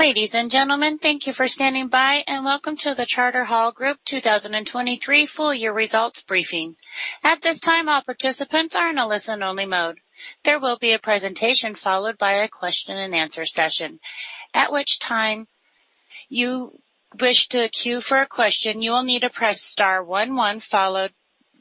Ladies and gentlemen, thank you for standing by, welcome to the Charter Hall Group 2023 full year results briefing. At this time, all participants are in a listen-only mode. There will be a presentation followed by a question and answer session. At which time you wish to queue for a question, you will need to press star one one.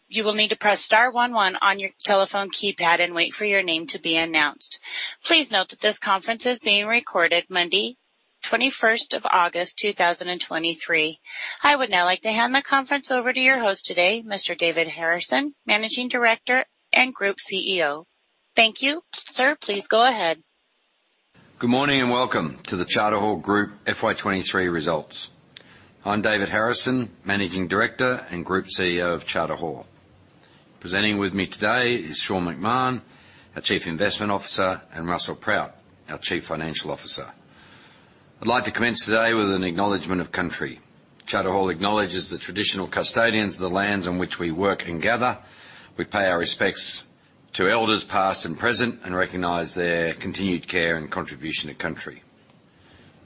You will need to press star one one on your telephone keypad and wait for your name to be announced. Please note that this conference is being recorded Monday, 21st of August, 2023. I would now like to hand the conference over to your host today, Mr. David Harrison, Managing Director and Group CEO. Thank you. Sir, please go ahead. Good morning. Welcome to the Charter Hall Group FY23 results. I'm David Harrison, Managing Director and Group CEO of Charter Hall. Presenting with me today is Sean McMahon, our Chief Investment Officer, and Russell Proutt, our Chief Financial Officer. I'd like to commence today with an acknowledgment of country. Charter Hall acknowledges the traditional custodians of the lands on which we work and gather. We pay our respects to elders, past and present, and recognize their continued care and contribution to country.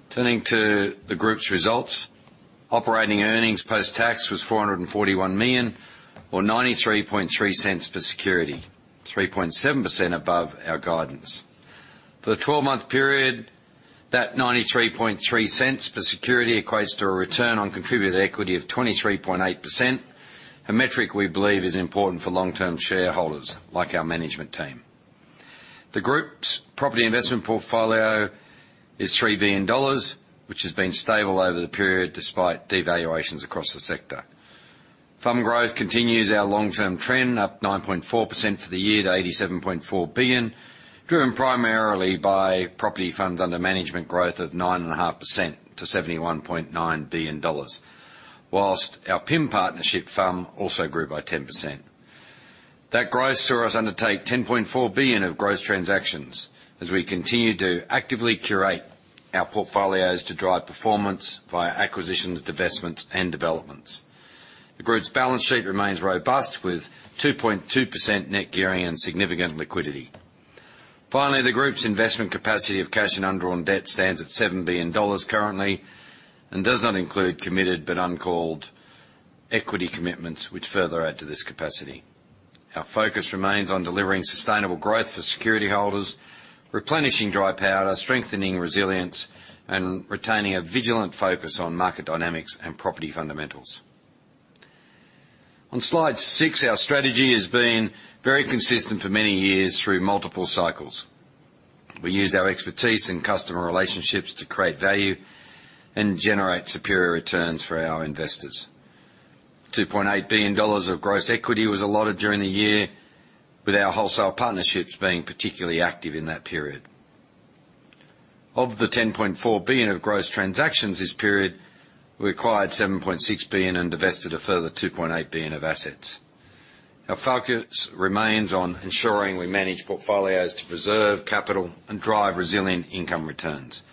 Turning to the group's results, operating earnings post-tax was 441 million, or 0.933 per security, 3.7% above our guidance. For the 12-month period, that 0.933 per security equates to a return on contributed equity of 23.8%, a metric we believe is important for long-term shareholders, like our management team. The group's property investment portfolio is 3 billion dollars, which has been stable over the period despite devaluations across the sector. FUM growth continues our long-term trend, up 9.4% for the year to 87.4 billion, driven primarily by property funds under management growth of 9.5% to 71.9 billion dollars, whilst our PIM partnership FUM also grew by 10%. That growth saw us undertake 10.4 billion of gross transactions as we continue to actively curate our portfolios to drive performance via acquisitions, divestments, and developments. The group's balance sheet remains robust, with 2.2% net gearing and significant liquidity. Finally, the group's investment capacity of cash and undrawn debt stands at 7 billion dollars currently and does not include committed but uncalled equity commitments, which further add to this capacity. Our focus remains on delivering sustainable growth for security holders, replenishing dry powder, strengthening resilience, and retaining a vigilant focus on market dynamics and property fundamentals. On slide 6, our strategy has been very consistent for many years through multiple cycles. We use our expertise and customer relationships to create value and generate superior returns for our investors. 2.8 billion dollars of gross equity was allotted during the year, with our wholesale partnerships being particularly active in that period. Of the 10.4 billion of gross transactions this period, we acquired 7.6 billion and divested a further 2.8 billion of assets. Our focus remains on ensuring we manage portfolios to preserve capital and drive resilient income returns,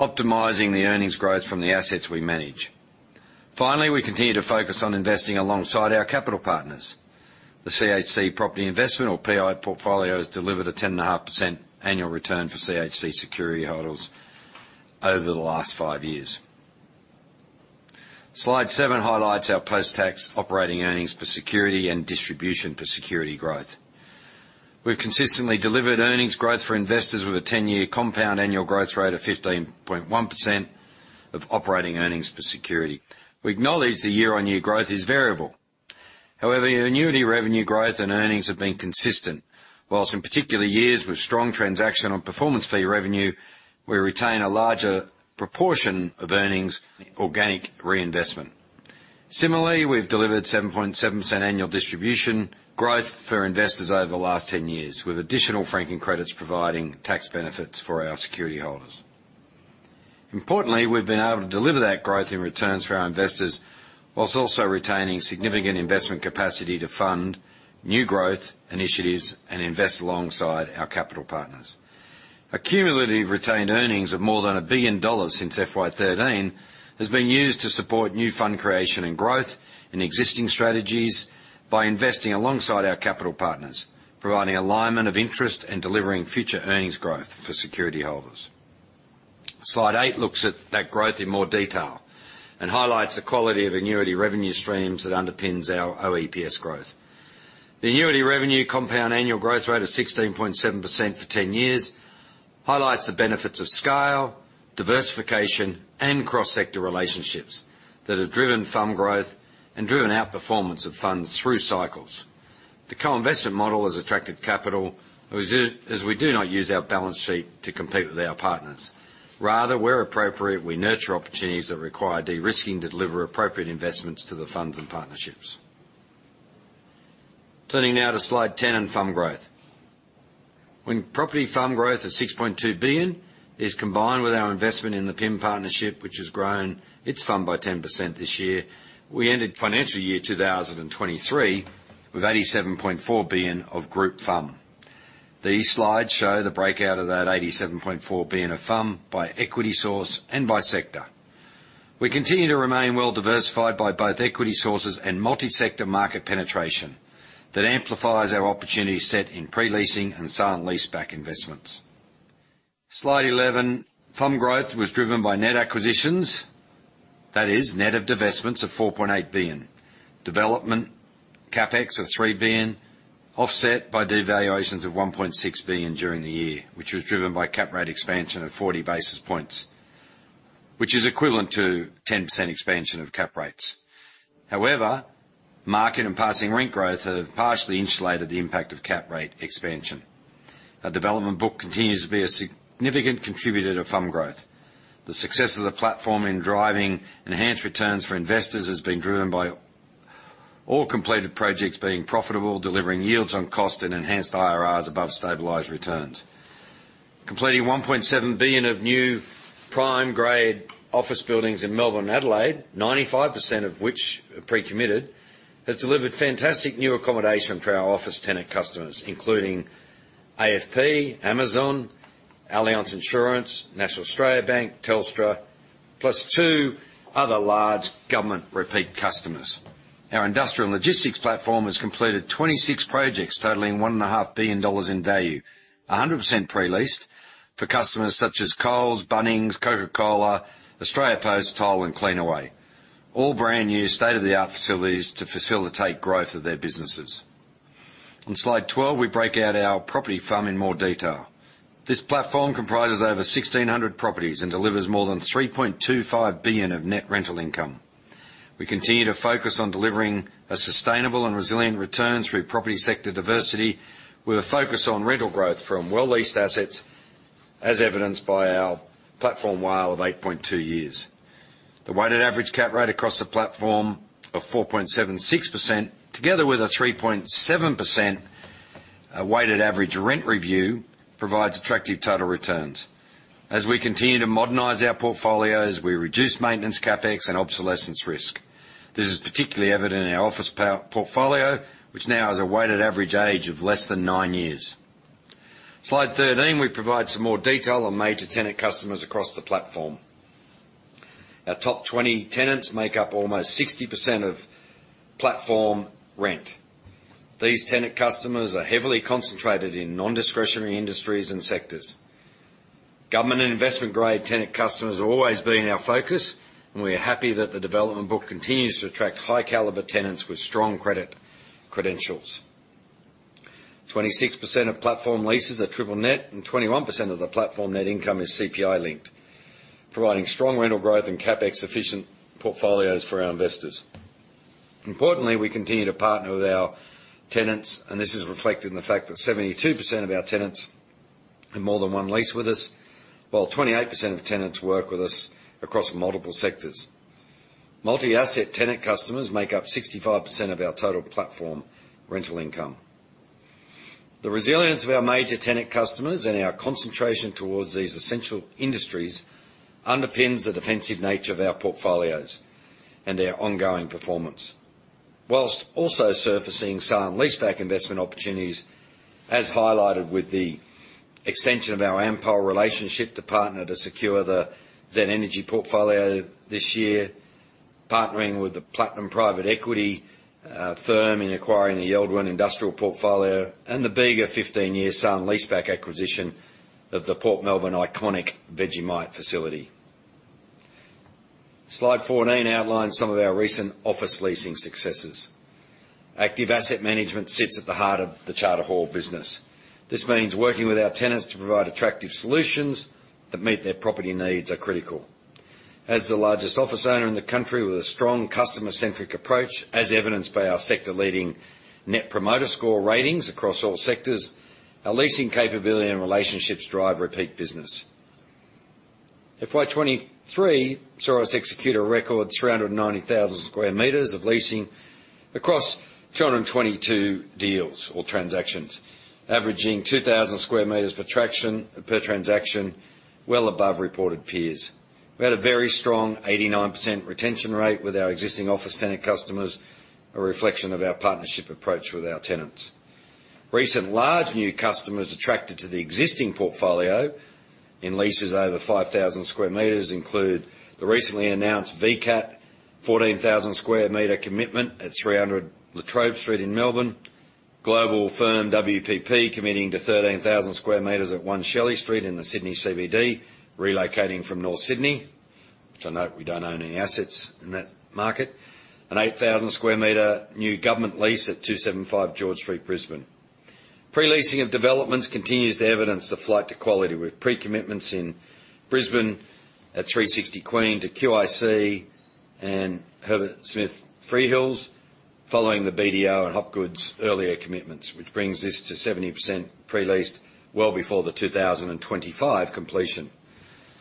optimizing the earnings growth from the assets we manage. We continue to focus on investing alongside our capital partners. The CHC property investment, or PI portfolio, has delivered a 10.5% annual return for CHC security holders over the last 5 years. Slide 7 highlights our post-tax operating earnings per security and distribution per security growth. We've consistently delivered earnings growth for investors with a 10-year compound annual growth rate of 15.1% of operating earnings per security. We acknowledge the year-on-year growth is variable. However, the annuity revenue growth and earnings have been consistent. Whilst in particular years with strong transaction on performance fee revenue, we retain a larger proportion of earnings, organic reinvestment. Similarly, we've delivered 7.7% annual distribution growth for investors over the last 10 years, with additional franking credits providing tax benefits for our security holders. Importantly, we've been able to deliver that growth in returns for our investors, whilst also retaining significant investment capacity to fund new growth initiatives and invest alongside our capital partners. A cumulative retained earnings of more than 1 billion dollars since FY13 has been used to support new fund creation and growth in existing strategies by investing alongside our capital partners, providing alignment of interest and delivering future earnings growth for security holders. Slide 8 looks at that growth in more detail and highlights the quality of annuity revenue streams that underpins our OEPS growth. The annuity revenue compound annual growth rate of 16.7% for 10 years highlights the benefits of scale, diversification, and cross-sector relationships that have driven FUM growth and driven outperformance of funds through cycles. The co-investment model has attracted capital, as we do not use our balance sheet to compete with our partners. Rather, where appropriate, we nurture opportunities that require de-risking to deliver appropriate investments to the funds and partnerships. Turning now to slide 10 on FUM growth. When property FUM growth of 6.2 billion is combined with our investment in the PIM partnership, which has grown its FUM by 10% this year, we ended financial year 2023 with 87.4 billion of group FUM. These slides show the breakout of that 87.4 billion of FUM by equity source and by sector. We continue to remain well-diversified by both equity sources and multi-sector market penetration that amplifies our opportunity set in pre-leasing and sale and leaseback investments. Slide 11. Fund growth was driven by net acquisitions, that is net of divestments of 4.8 billion. Development, CapEx of 3 billion, offset by devaluations of 1.6 billion during the year, which was driven by cap rate expansion of 40 basis points, which is equivalent to 10% expansion of cap rates. However, market and passing rent growth have partially insulated the impact of cap rate expansion. Our development book continues to be a significant contributor to fund growth. The success of the platform in driving enhanced returns for investors has been driven by all completed projects being profitable, delivering yields on cost and enhanced IRRs above stabilized returns. Completing 1.7 billion of new prime grade office buildings in Melbourne and Adelaide, 95% of which are pre-committed, has delivered fantastic new accommodation for our office tenant customers, including AFP, Amazon, Allianz Insurance, National Australia Bank, Telstra, plus two other large government repeat customers. Our industrial logistics platform has completed 26 projects, totaling 1.5 billion dollars in value, 100% pre-leased to customers such as Coles, Bunnings, Coca-Cola, Australia Post, Toll and Cleanaway. All brand new state-of-the-art facilities to facilitate growth of their businesses. On slide 12, we break out our property FUM in more detail. This platform comprises over 1,600 properties and delivers more than 3.25 billion of net rental income. We continue to focus on delivering a sustainable and resilient return through property sector diversity, with a focus on rental growth from well-leased assets, as evidenced by our platform WALE of 8.2 years. The weighted average cap rate across the platform of 4.76%, together with a 3.7% weighted average rent review, provides attractive total returns. As we continue to modernize our portfolios, we reduce maintenance CapEx and obsolescence risk. This is particularly evident in our office power portfolio, which now has a weighted average age of less than nine years. Slide 13, we provide some more detail on major tenant customers across the platform. Our top 20 tenants make up almost 60% of platform rent. These tenant customers are heavily concentrated in non-discretionary industries and sectors. Government and investment-grade tenant customers have always been our focus, and we are happy that the development book continues to attract high caliber tenants with strong credit credentials. 26% of platform leases are Triple Net, and 21% of the platform net income is CPI-linked, providing strong rental growth and CapEx-efficient portfolios for our investors. Importantly, we continue to partner with our tenants, and this is reflected in the fact that 72% of our tenants have more than one lease with us, while 28% of tenants work with us across multiple sectors. Multi-asset tenant customers make up 65% of our total platform rental income. The resilience of our major tenant customers and our concentration towards these essential industries underpins the defensive nature of our portfolios and their ongoing performance, whilst also surfacing sale and leaseback investment opportunities, as highlighted with the extension of our Ampol relationship to partner to secure the ZEN Energy portfolio this year, partnering with the Platinum Private Equity firm in acquiring the Irongate industrial portfolio, and the Bega 15-year sale and leaseback acquisition of the Port Melbourne iconic Vegemite facility. Slide 14 outlines some of our recent office leasing successes. Active asset management sits at the heart of the Charter Hall business. This means working with our tenants to provide attractive solutions that meet their property needs are critical. As the largest office owner in the country with a strong customer-centric approach, as evidenced by our sector-leading Net Promoter Score ratings across all sectors, our leasing capability and relationships drive repeat business. FY23 saw us execute a record 390,000 square meters of leasing across 222 deals or transactions, averaging 2,000 square meters per transaction, well above reported peers. We had a very strong 89% retention rate with our existing office tenant customers, a reflection of our partnership approach with our tenants. Recent large new customers attracted to the existing portfolio in leases over 5,000 square meters include the recently announced VCAT, 14,000 square meter commitment at 300 La Trobe Street in Melbourne, global firm WPP committing to 13,000 square meters at One Shelley Street in the Sydney CBD, relocating from North Sydney, which I note we don't own any assets in that market, an 8,000 square meter new government lease at 275 George Street, Brisbane. Pre-leasing of developments continues to evidence the flight to quality, with pre-commitments in Brisbane at 360 Queen to QIC and Herbert Smith Freehills, following the BDO and Hopgood's earlier commitments, which brings this to 70% pre-leased well before the 2025 completion.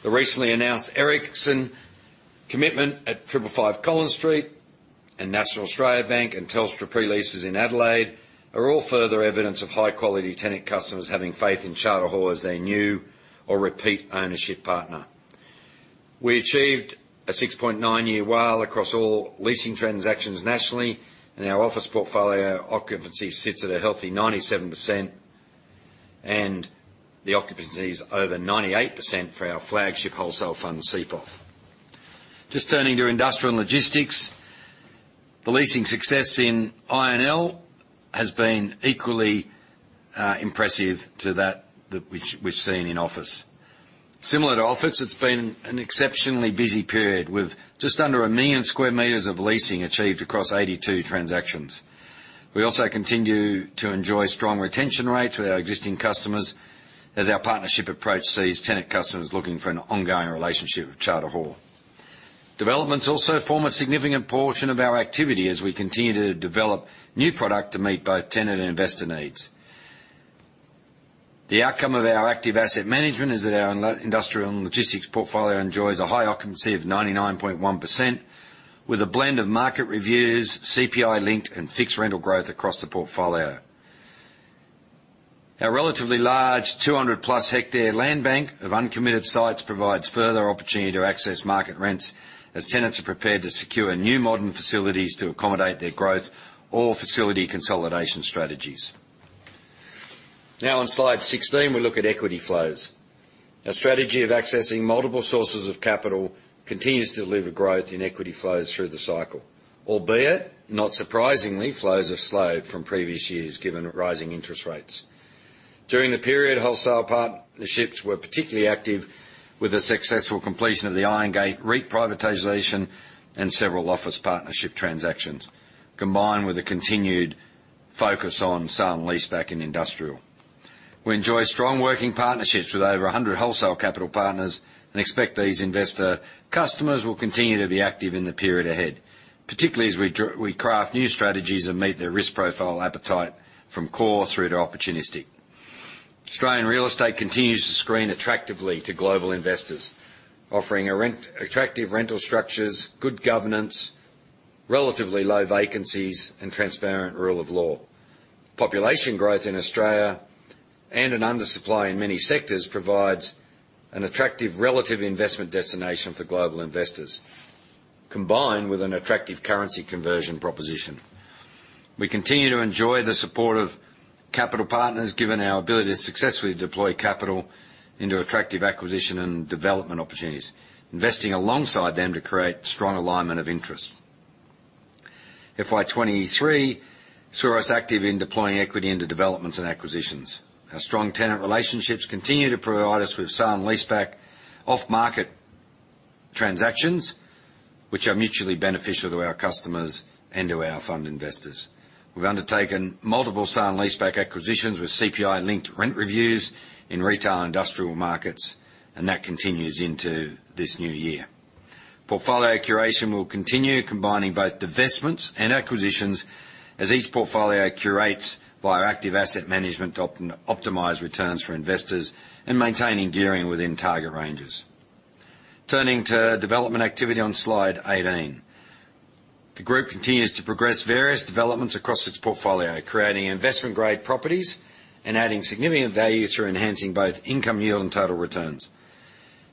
The recently announced Ericsson commitment at 555 Collins Street and National Australia Bank and Telstra pre-leases in Adelaide are all further evidence of high-quality tenant customers having faith in Charter Hall as their new or repeat ownership partner. We achieved a 6.9 year WALE across all leasing transactions nationally, and our office portfolio occupancy sits at a healthy 97%. And the occupancy is over 98% for our flagship wholesale fund, CPIF. Just turning to industrial and logistics. The leasing success in I&L has been equally impressive to that, that which we've seen in office. Similar to office, it's been an exceptionally busy period, with just under 1 million square meters of leasing achieved across 82 transactions. We also continue to enjoy strong retention rates with our existing customers, as our partnership approach sees tenant customers looking for an ongoing relationship with Charter Hall. Developments also form a significant portion of our activity as we continue to develop new product to meet both tenant and investor needs. The outcome of our active asset management is that our industrial and logistics portfolio enjoys a high occupancy of 99.1%, with a blend of market reviews, CPI-linked and fixed rental growth across the portfolio. Our relatively large, 200+ hectare land bank of uncommitted sites provides further opportunity to access market rents, as tenants are prepared to secure new modern facilities to accommodate their growth or facility consolidation strategies. On Slide 16, we look at equity flows. Our strategy of accessing multiple sources of capital continues to deliver growth in equity flows through the cycle, albeit, not surprisingly, flows have slowed from previous years given the rising interest rates. During the period, wholesale partnerships were particularly active with the successful completion of the Irongate Group privatization and several office partnership transactions, combined with a continued focus on sale and leaseback in industrial. We enjoy strong working partnerships with over 100 wholesale capital partners and expect these investor customers will continue to be active in the period ahead, particularly as we craft new strategies that meet their risk profile appetite from core through to opportunistic. Australian real estate continues to screen attractively to global investors, offering attractive rental structures, good governance, relatively low vacancies, and transparent rule of law. Population growth in Australia, and an undersupply in many sectors, provides an attractive relative investment destination for global investors, combined with an attractive currency conversion proposition. We continue to enjoy the support of capital partners, given our ability to successfully deploy capital into attractive acquisition and development opportunities, investing alongside them to create strong alignment of interests. FY23 saw us active in deploying equity into developments and acquisitions. Our strong tenant relationships continue to provide us with sale and leaseback off-market transactions, which are mutually beneficial to our customers and to our fund investors. We've undertaken multiple sale and leaseback acquisitions with CPI-linked rent reviews in retail and industrial markets, and that continues into this new year. Portfolio curation will continue, combining both divestments and acquisitions, as each portfolio curates via active asset management to optimize returns for investors and maintaining gearing within target ranges. Turning to development activity on Slide 18. The group continues to progress various developments across its portfolio, creating investment-grade properties and adding significant value through enhancing both income yield and total returns.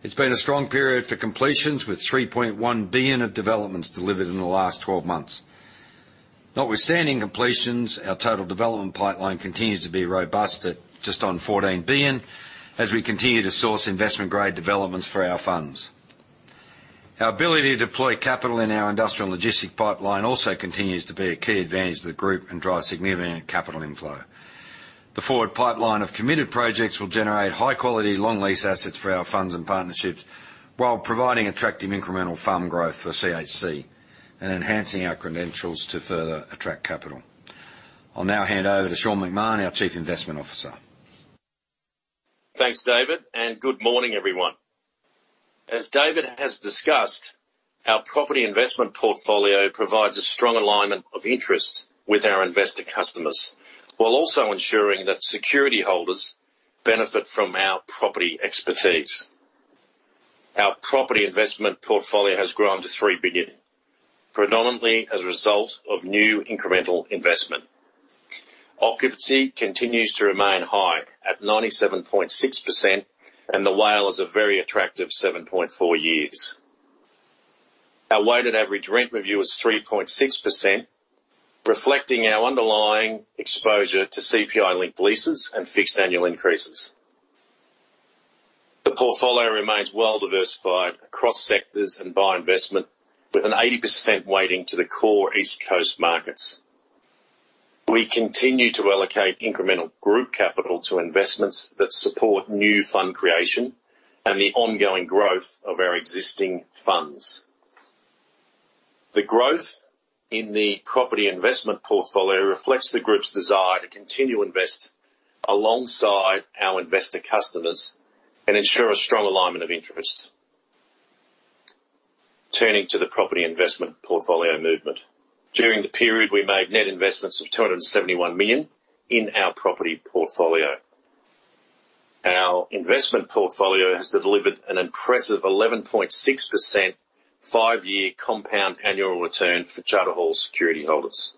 It's been a strong period for completions, with 3.1 billion of developments delivered in the last 12 months. Notwithstanding completions, our total development pipeline continues to be robust at just on 14 billion, as we continue to source investment-grade developments for our funds. Our ability to deploy capital in our industrial and logistic pipeline also continues to be a key advantage to the group and drive significant capital inflow. The forward pipeline of committed projects will generate high quality, long lease assets for our funds and partnerships, while providing attractive incremental FUM growth for CHC and enhancing our credentials to further attract capital. I'll now hand over to Sean McMahon, our Chief Investment Officer. Thanks, David. Good morning, everyone. As David has discussed, our property investment portfolio provides a strong alignment of interests with our investor customers, while also ensuring that security holders benefit from our property expertise. Our property investment portfolio has grown to 3 billion, predominantly as a result of new incremental investment. Occupancy continues to remain high at 97.6%, and the WALE is a very attractive 7.4 years. Our weighted average rent review is 3.6%, reflecting our underlying exposure to CPI-linked leases and fixed annual increases. The portfolio remains well-diversified across sectors and by investment, with an 80% weighting to the core East Coast markets. We continue to allocate incremental group capital to investments that support new fund creation and the ongoing growth of our existing funds. The growth in the property investment portfolio reflects the group's desire to continue to invest alongside our investor customers and ensure a strong alignment of interests. Turning to the property investment portfolio movement. During the period, we made net investments of AUD 271 million in our property portfolio. Our investment portfolio has delivered an impressive 11.6% 5 year compound annual return for Charter Hall security holders.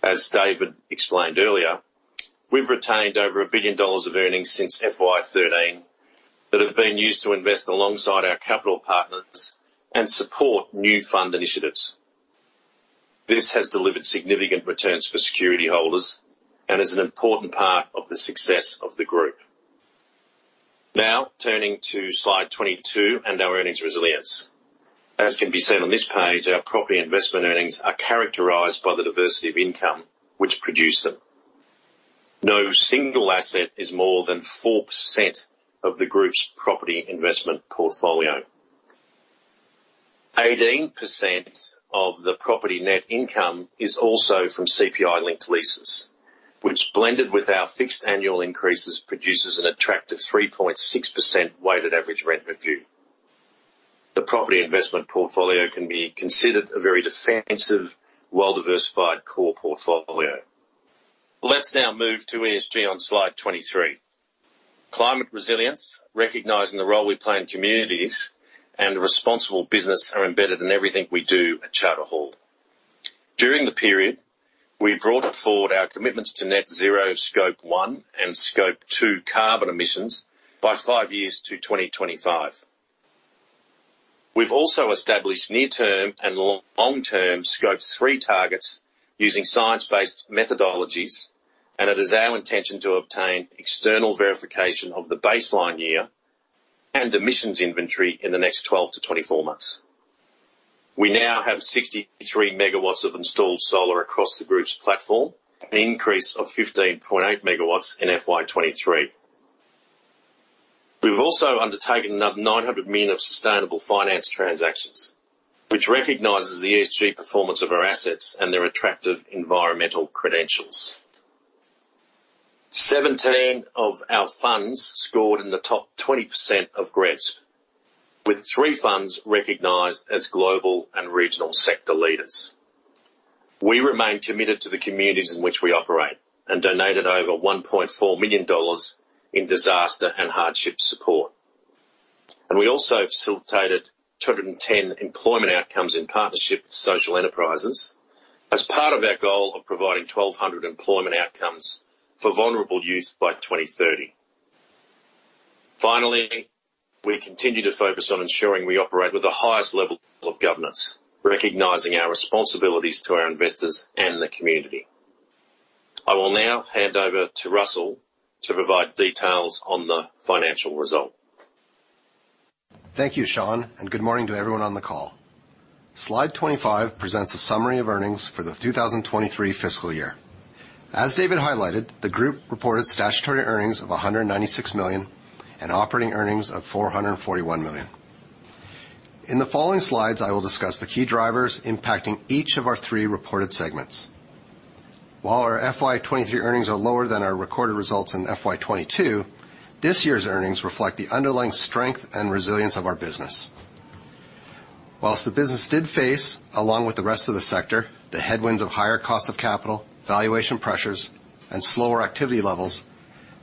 As David explained earlier, we've retained over 1 billion dollars of earnings since FY13 that have been used to invest alongside our capital partners and support new fund initiatives. This has delivered significant returns for security holders and is an important part of the success of the group. Turning to slide 22 and our earnings resilience. As can be seen on this page, our property investment earnings are characterized by the diversity of income which produce them. No single asset is more than 4% of the group's property investment portfolio. 18% of the property net income is also from CPI-linked leases, which, blended with our fixed annual increases, produces an attractive 3.6% weighted average rent review. The property investment portfolio can be considered a very defensive, well-diversified core portfolio. Let's now move to ESG on slide 23. Climate resilience, recognizing the role we play in communities, and responsible business are embedded in everything we do at Charter Hall. During the period, we brought forward our commitments to net zero Scope 1 and Scope 2 carbon emissions by 5 years to 2025. We've also established near-term and long-term Scope 3 targets using science-based methodologies, and it is our intention to obtain external verification of the baseline year and emissions inventory in the next 12-24 months. We now have 63 megawatts of installed solar across the group's platform, an increase of 15.8 megawatts in FY23. We've also undertaken 900 million of sustainable finance transactions, which recognizes the ESG performance of our assets and their attractive environmental credentials. 17 of our funds scored in the top 20% of GRESB, with three funds recognized as global and regional sector leaders. We remain committed to the communities in which we operate and donated over 1.4 million dollars in disaster and hardship support. We also facilitated 210 employment outcomes in partnership with social enterprises as part of our goal of providing 1,200 employment outcomes for vulnerable youth by 2030. Finally, we continue to focus on ensuring we operate with the highest level of governance, recognizing our responsibilities to our investors and the community. I will now hand over to Russell to provide details on the financial result. Thank you, Sean, and good morning to everyone on the call. Slide 25 presents a summary of earnings for the 2023 fiscal year. As David highlighted, the group reported statutory earnings of 196 million and operating earnings of 441 million. In the following slides, I will discuss the key drivers impacting each of our 3 reported segments. While our FY23 earnings are lower than our recorded results in FY22, this year's earnings reflect the underlying strength and resilience of our business. Whilst the business did face, along with the rest of the sector, the headwinds of higher costs of capital, valuation pressures, and slower activity levels,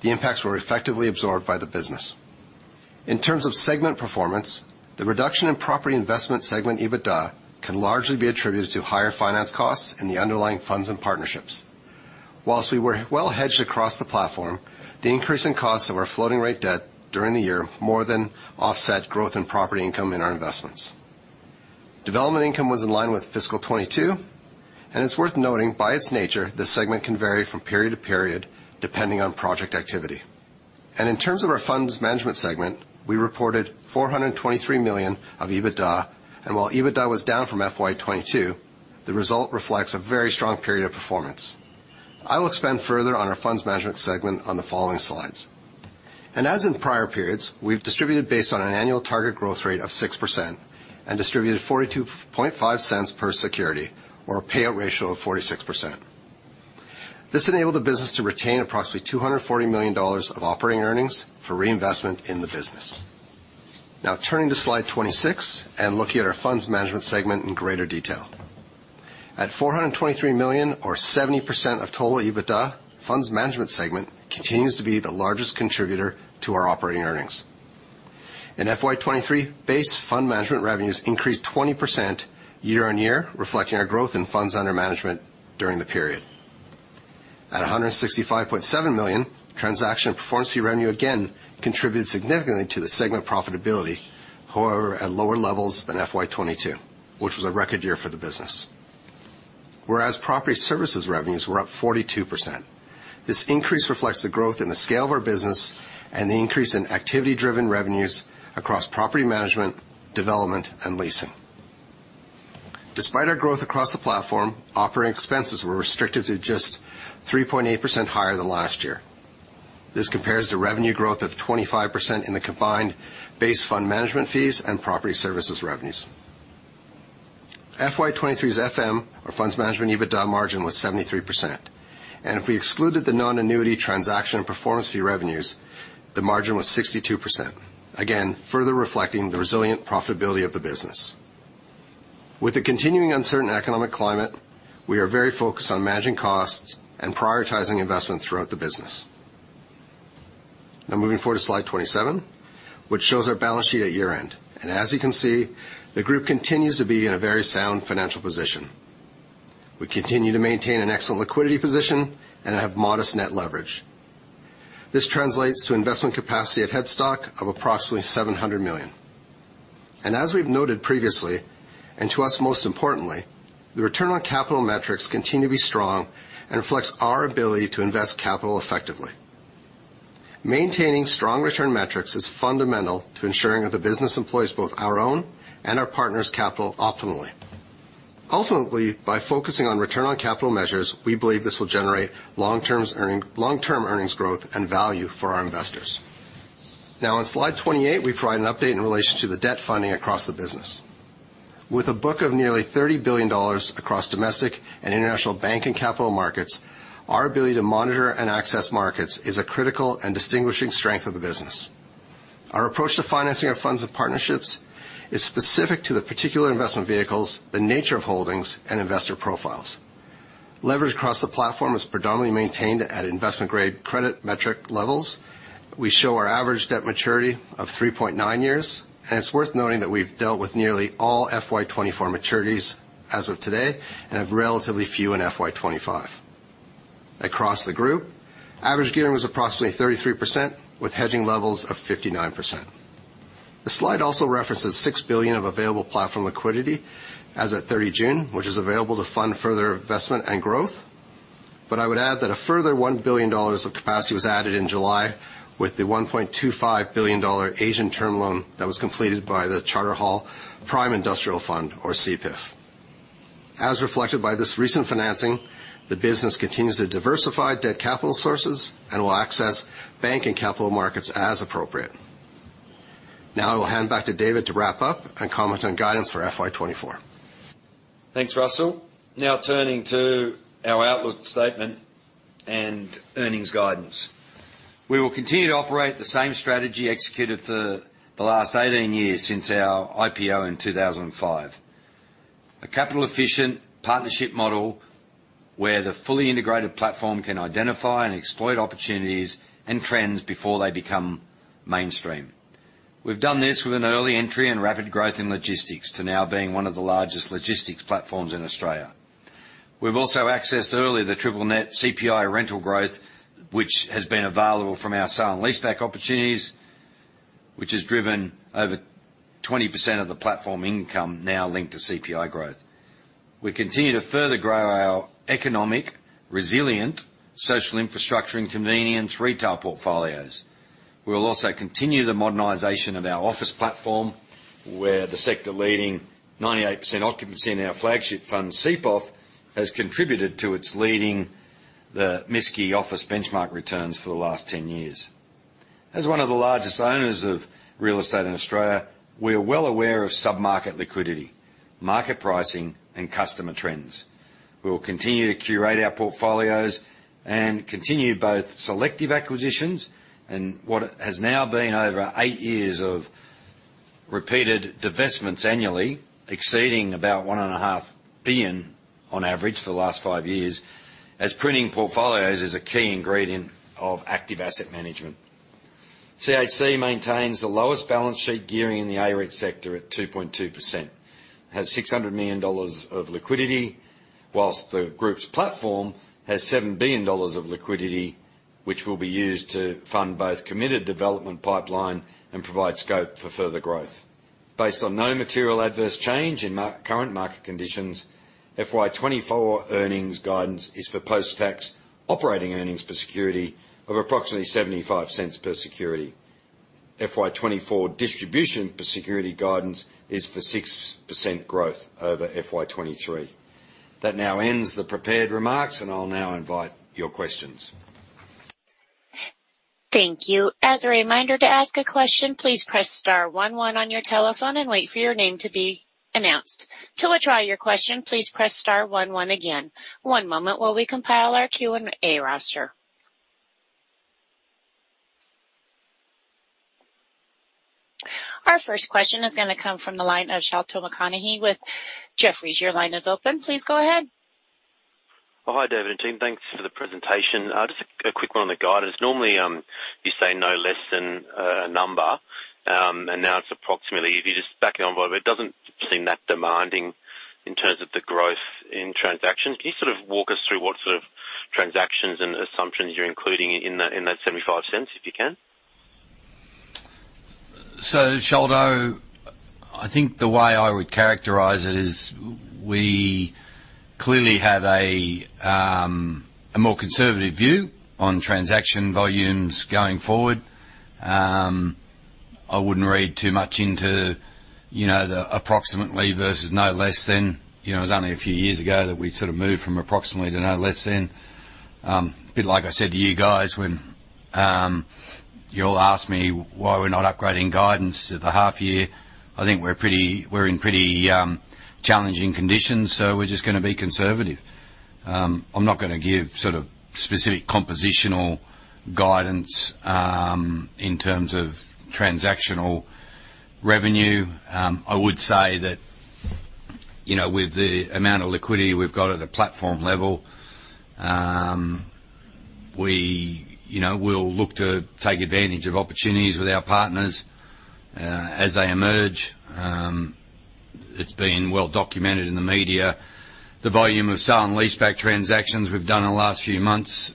the impacts were effectively absorbed by the business. In terms of segment performance, the reduction in property investment segment EBITDA can largely be attributed to higher finance costs and the underlying funds and partnerships. Whilst we were well hedged across the platform, the increase in costs of our floating rate debt during the year more than offset growth in property income in our investments. Development income was in line with fiscal 2022. It's worth noting, by its nature, this segment can vary from period to period, depending on project activity. In terms of our funds management segment, we reported 423 million of EBITDA, while EBITDA was down from FY22, the result reflects a very strong period of performance. I will expand further on our funds management segment on the following slides. As in prior periods, we've distributed based on an annual target growth rate of 6% and distributed 0.425 per security or a payout ratio of 46%. This enabled the business to retain approximately 240 million dollars of operating earnings for reinvestment in the business. Turning to slide 26 and looking at our funds management segment in greater detail. At 423 million or 70% of total EBITDA, funds management segment continues to be the largest contributor to our operating earnings. In FY23, base fund management revenues increased 20% year-on-year, reflecting our growth in funds under management during the period. At 165.7 million, transaction and performance fee revenue again contributed significantly to the segment profitability, however, at lower levels than FY22, which was a record year for the business. Property services revenues were up 42%. This increase reflects the growth in the scale of our business and the increase in activity-driven revenues across property management, development, and leasing. Despite our growth across the platform, operating expenses were restricted to just 3.8% higher than last year. This compares to revenue growth of 25% in the combined base fund management fees and property services revenues. FY23's FM, or funds management EBITDA margin, was 73%, and if we excluded the non-annuity transaction and performance fee revenues, the margin was 62%. Again, further reflecting the resilient profitability of the business. With the continuing uncertain economic climate, we are very focused on managing costs and prioritizing investment throughout the business. Now, moving forward to slide 27, which shows our balance sheet at year-end. As you can see, the group continues to be in a very sound financial position. We continue to maintain an excellent liquidity position and have modest net leverage. This translates to investment capacity at headstock of approximately 700 million. As we've noted previously, and to us, most importantly, the return on capital metrics continue to be strong and reflects our ability to invest capital effectively. Maintaining strong return metrics is fundamental to ensuring that the business employs both our own and our partners' capital optimally. Ultimately, by focusing on return on capital measures, we believe this will generate long-term earnings growth and value for our investors. Now, on slide 28, we provide an update in relation to the debt funding across the business. With a book of nearly 30 billion dollars across domestic and international bank and capital markets, our ability to monitor and access markets is a critical and distinguishing strength of the business. Our approach to financing our funds and partnerships is specific to the particular investment vehicles, the nature of holdings, and investor profiles. Leverage across the platform is predominantly maintained at investment-grade credit metric levels. We show our average debt maturity of 3.9 years. It's worth noting that we've dealt with nearly all FY24 maturities as of today and have relatively few in FY25. Across the group, average gearing was approximately 33%, with hedging levels of 59%. The slide also references 6 billion of available platform liquidity as at June 30, which is available to fund further investment and growth. I would add that a further 1 billion dollars of capacity was added in July, with the 1.25 billion dollar Asian Term Loan that was completed by the Charter Hall Prime Industrial Fund, or CPIF. As reflected by this recent financing, the business continues to diversify debt capital sources and will access bank and capital markets as appropriate. Now I will hand back to David to wrap up and comment on guidance for FY24. Thanks, Russell. Now turning to our outlook statement and earnings guidance. We will continue to operate the same strategy executed for the last 18 years since our IPO in 2005. A capital-efficient partnership model where the fully integrated platform can identify and exploit opportunities and trends before they become mainstream. We've done this with an early entry and rapid growth in logistics to now being one of the largest logistics platforms in Australia. We've also accessed early the Triple Net CPI rental growth, which has been available from our sale and leaseback opportunities, which has driven over 20% of the platform income now linked to CPI growth. We continue to further grow our economic, resilient, social infrastructure and convenience retail portfolios. We will also continue the modernization of our office platform, where the sector leading 98% occupancy in our flagship fund, CPIF, has contributed to its leading the MSCI office benchmark returns for the last 10 years. As one of the largest owners of real estate in Australia, we are well aware of submarket liquidity, market pricing, and customer trends. We will continue to curate our portfolios and continue both selective acquisitions and what has now been over eight years of repeated divestments annually, exceeding about 1.5 billion on average for the last five years, as pruning portfolios is a key ingredient of active asset management. CHC maintains the lowest balance sheet gearing in the AREIT sector at 2.2%, has 600 million dollars of liquidity, whilst the group's platform has 7 billion dollars of liquidity, which will be used to fund both committed development pipeline and provide scope for further growth. Based on no material adverse change in current market conditions, FY24 earnings guidance is for post-tax operating earnings per security of approximately 0.75 per security. FY24 distribution per security guidance is for 6% growth over FY23. That now ends the prepared remarks, and I'll now invite your questions. Thank you. As a reminder to ask a question, please press star one one on your telephone and wait for your name to be announced. To withdraw your question, please press star one one again. One moment while we compile our Q&A roster. Our first question is gonna come from the line of Sholto Maconochie with Jefferies. Your line is open. Please go ahead. Hi, David and team. Thanks for the presentation. Just a quick one on the guidance. Normally, you say no less than a number, and now it's approximately. If you just back it on, but it doesn't seem that demanding in terms of the growth in transactions. Can you sort of walk us through what sort of transactions and assumptions you're including in that 0.75, if you can? Sholto, I think the way I would characterize it is we clearly have a more conservative view on transaction volumes going forward. I wouldn't read too much into, you know, the approximately versus no less than. You know, it was only a few years ago that we sort of moved from approximately to no less than. A bit like I said to you guys when you all asked me why we're not upgrading guidance at the half year. I think we're pretty we're in pretty challenging conditions, so we're just gonna be conservative. I'm not gonna give sort of specific compositional guidance in terms of transactional revenue. I would say that, you know, with the amount of liquidity we've got at a platform level, we, you know, we'll look to take advantage of opportunities with our partners, as they emerge. It's been well documented in the media, the volume of sale and leaseback transactions we've done in the last few months,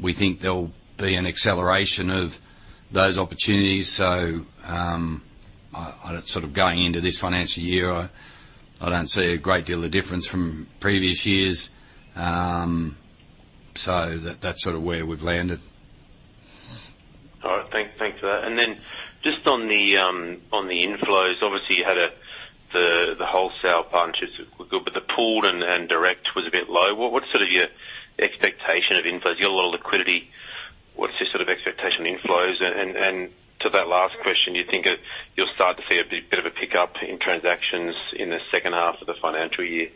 we think there'll be an acceleration of those opportunities. I, I sort of going into this financial year, I, I don't see a great deal of difference from previous years. That, that's sort of where we've landed. All right, thank, thanks for that. Then just on the, on the inflows, obviously, you had the, the wholesale partnerships were good, but the pooled and, and direct was a bit low. What, what's sort of your expectation of inflows? You got a lot of liquidity. What's your sort of expectation on inflows? To that last question, do you think that you'll start to see a bit, bit of a pickup in transactions in the second half of the financial year?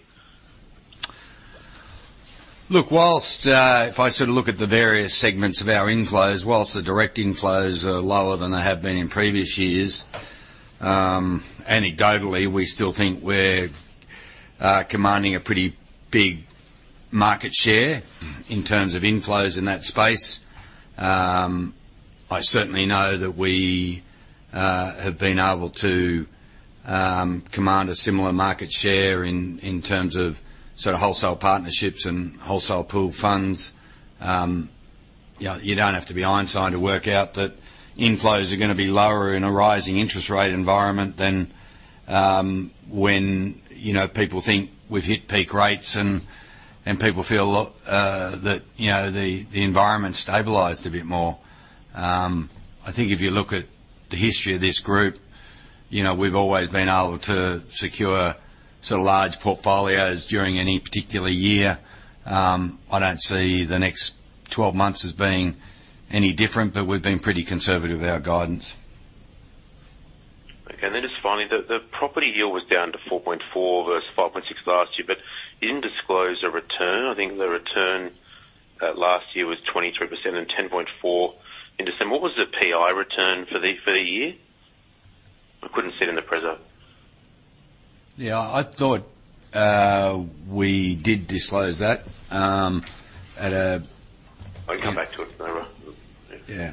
Look, whilst, if I sort of look at the various segments of our inflows, whilst the direct inflows are lower than they have been in previous years, anecdotally, we still think we're commanding a pretty big market share in terms of inflows in that space. I certainly know that we have been able to command a similar market share in, in terms of sort of wholesale partnerships and wholesale pooled funds. You, you don't have to be Einstein to work out that inflows are gonna be lower in a rising interest rate environment than when, you know, people think we've hit peak rates and, and people feel that, you know, the, the environment stabilized a bit more. I think if you look at the history of this group, you know, we've always been able to secure sort of large portfolios during any particular year. I don't see the next 12 months as being any different, but we've been pretty conservative with our guidance. Okay, then just finally, the property yield was down to 4.4 versus 5.6 last year, but you didn't disclose a return. I think the return last year was 23% and 10.4 in December. What was the PI return for the year? I couldn't see it in the presenter. Yeah, I thought, we did disclose that, at a- I'll come back to it, no worry. Yeah.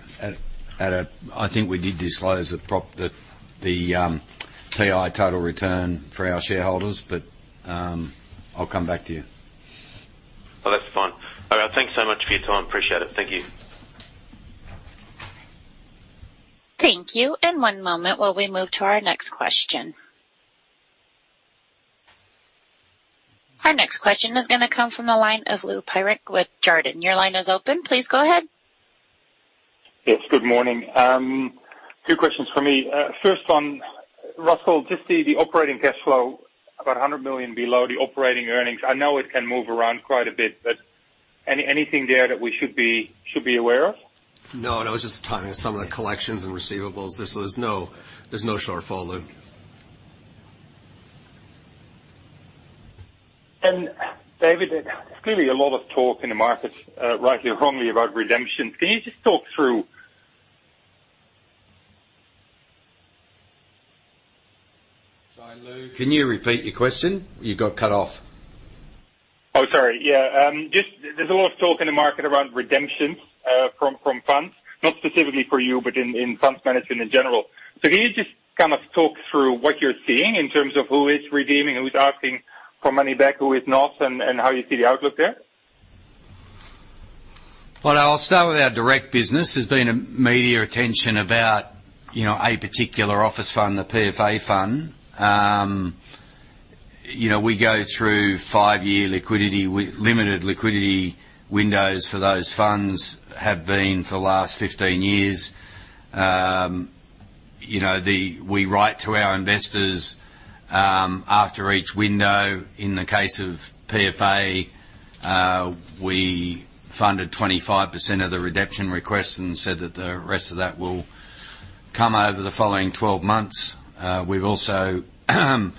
I think we did disclose the PI total return for our shareholders, but I'll come back to you. Well, that's fine. All right, thanks so much for your time. Appreciate it. Thank you. Thank you. In one moment, while we move to our next question. Our next question is gonna come from the line of Lou Pirenc with Jarden. Your line is open. Please go ahead. Yes, good morning. Two questions for me. First, on Russell, just the operating cash flow, about 100 million below the operating earnings. I know it can move around quite a bit, but anything there that we should be, should be aware of? No, no, it's just timing. Some of the collections and receivables. There's, there's no, there's no shortfall, Lou. David, there's clearly a lot of talk in the market, rightly or wrongly, about redemptions. Can you just talk through? Sorry, Lou, can you repeat your question? You got cut off. Oh, sorry. Yeah, just there's a lot of talk in the market around redemptions from, from funds, not specifically for you, but in, in funds management in general. Can you just kind of talk through what you're seeing in terms of who is redeeming, who's asking for money back, who is not, and, and how you see the outlook there? Well, I'll start with our direct business. There's been media attention about, you know, a particular office fund, the PFA fund. You know, we go through five-year limited liquidity windows for those funds, have been for the last 15 years. You know, we write to our investors after each window. In the case of PFA, we funded 25% of the redemption requests and said that the rest of that will come over the following 12 months. We've also had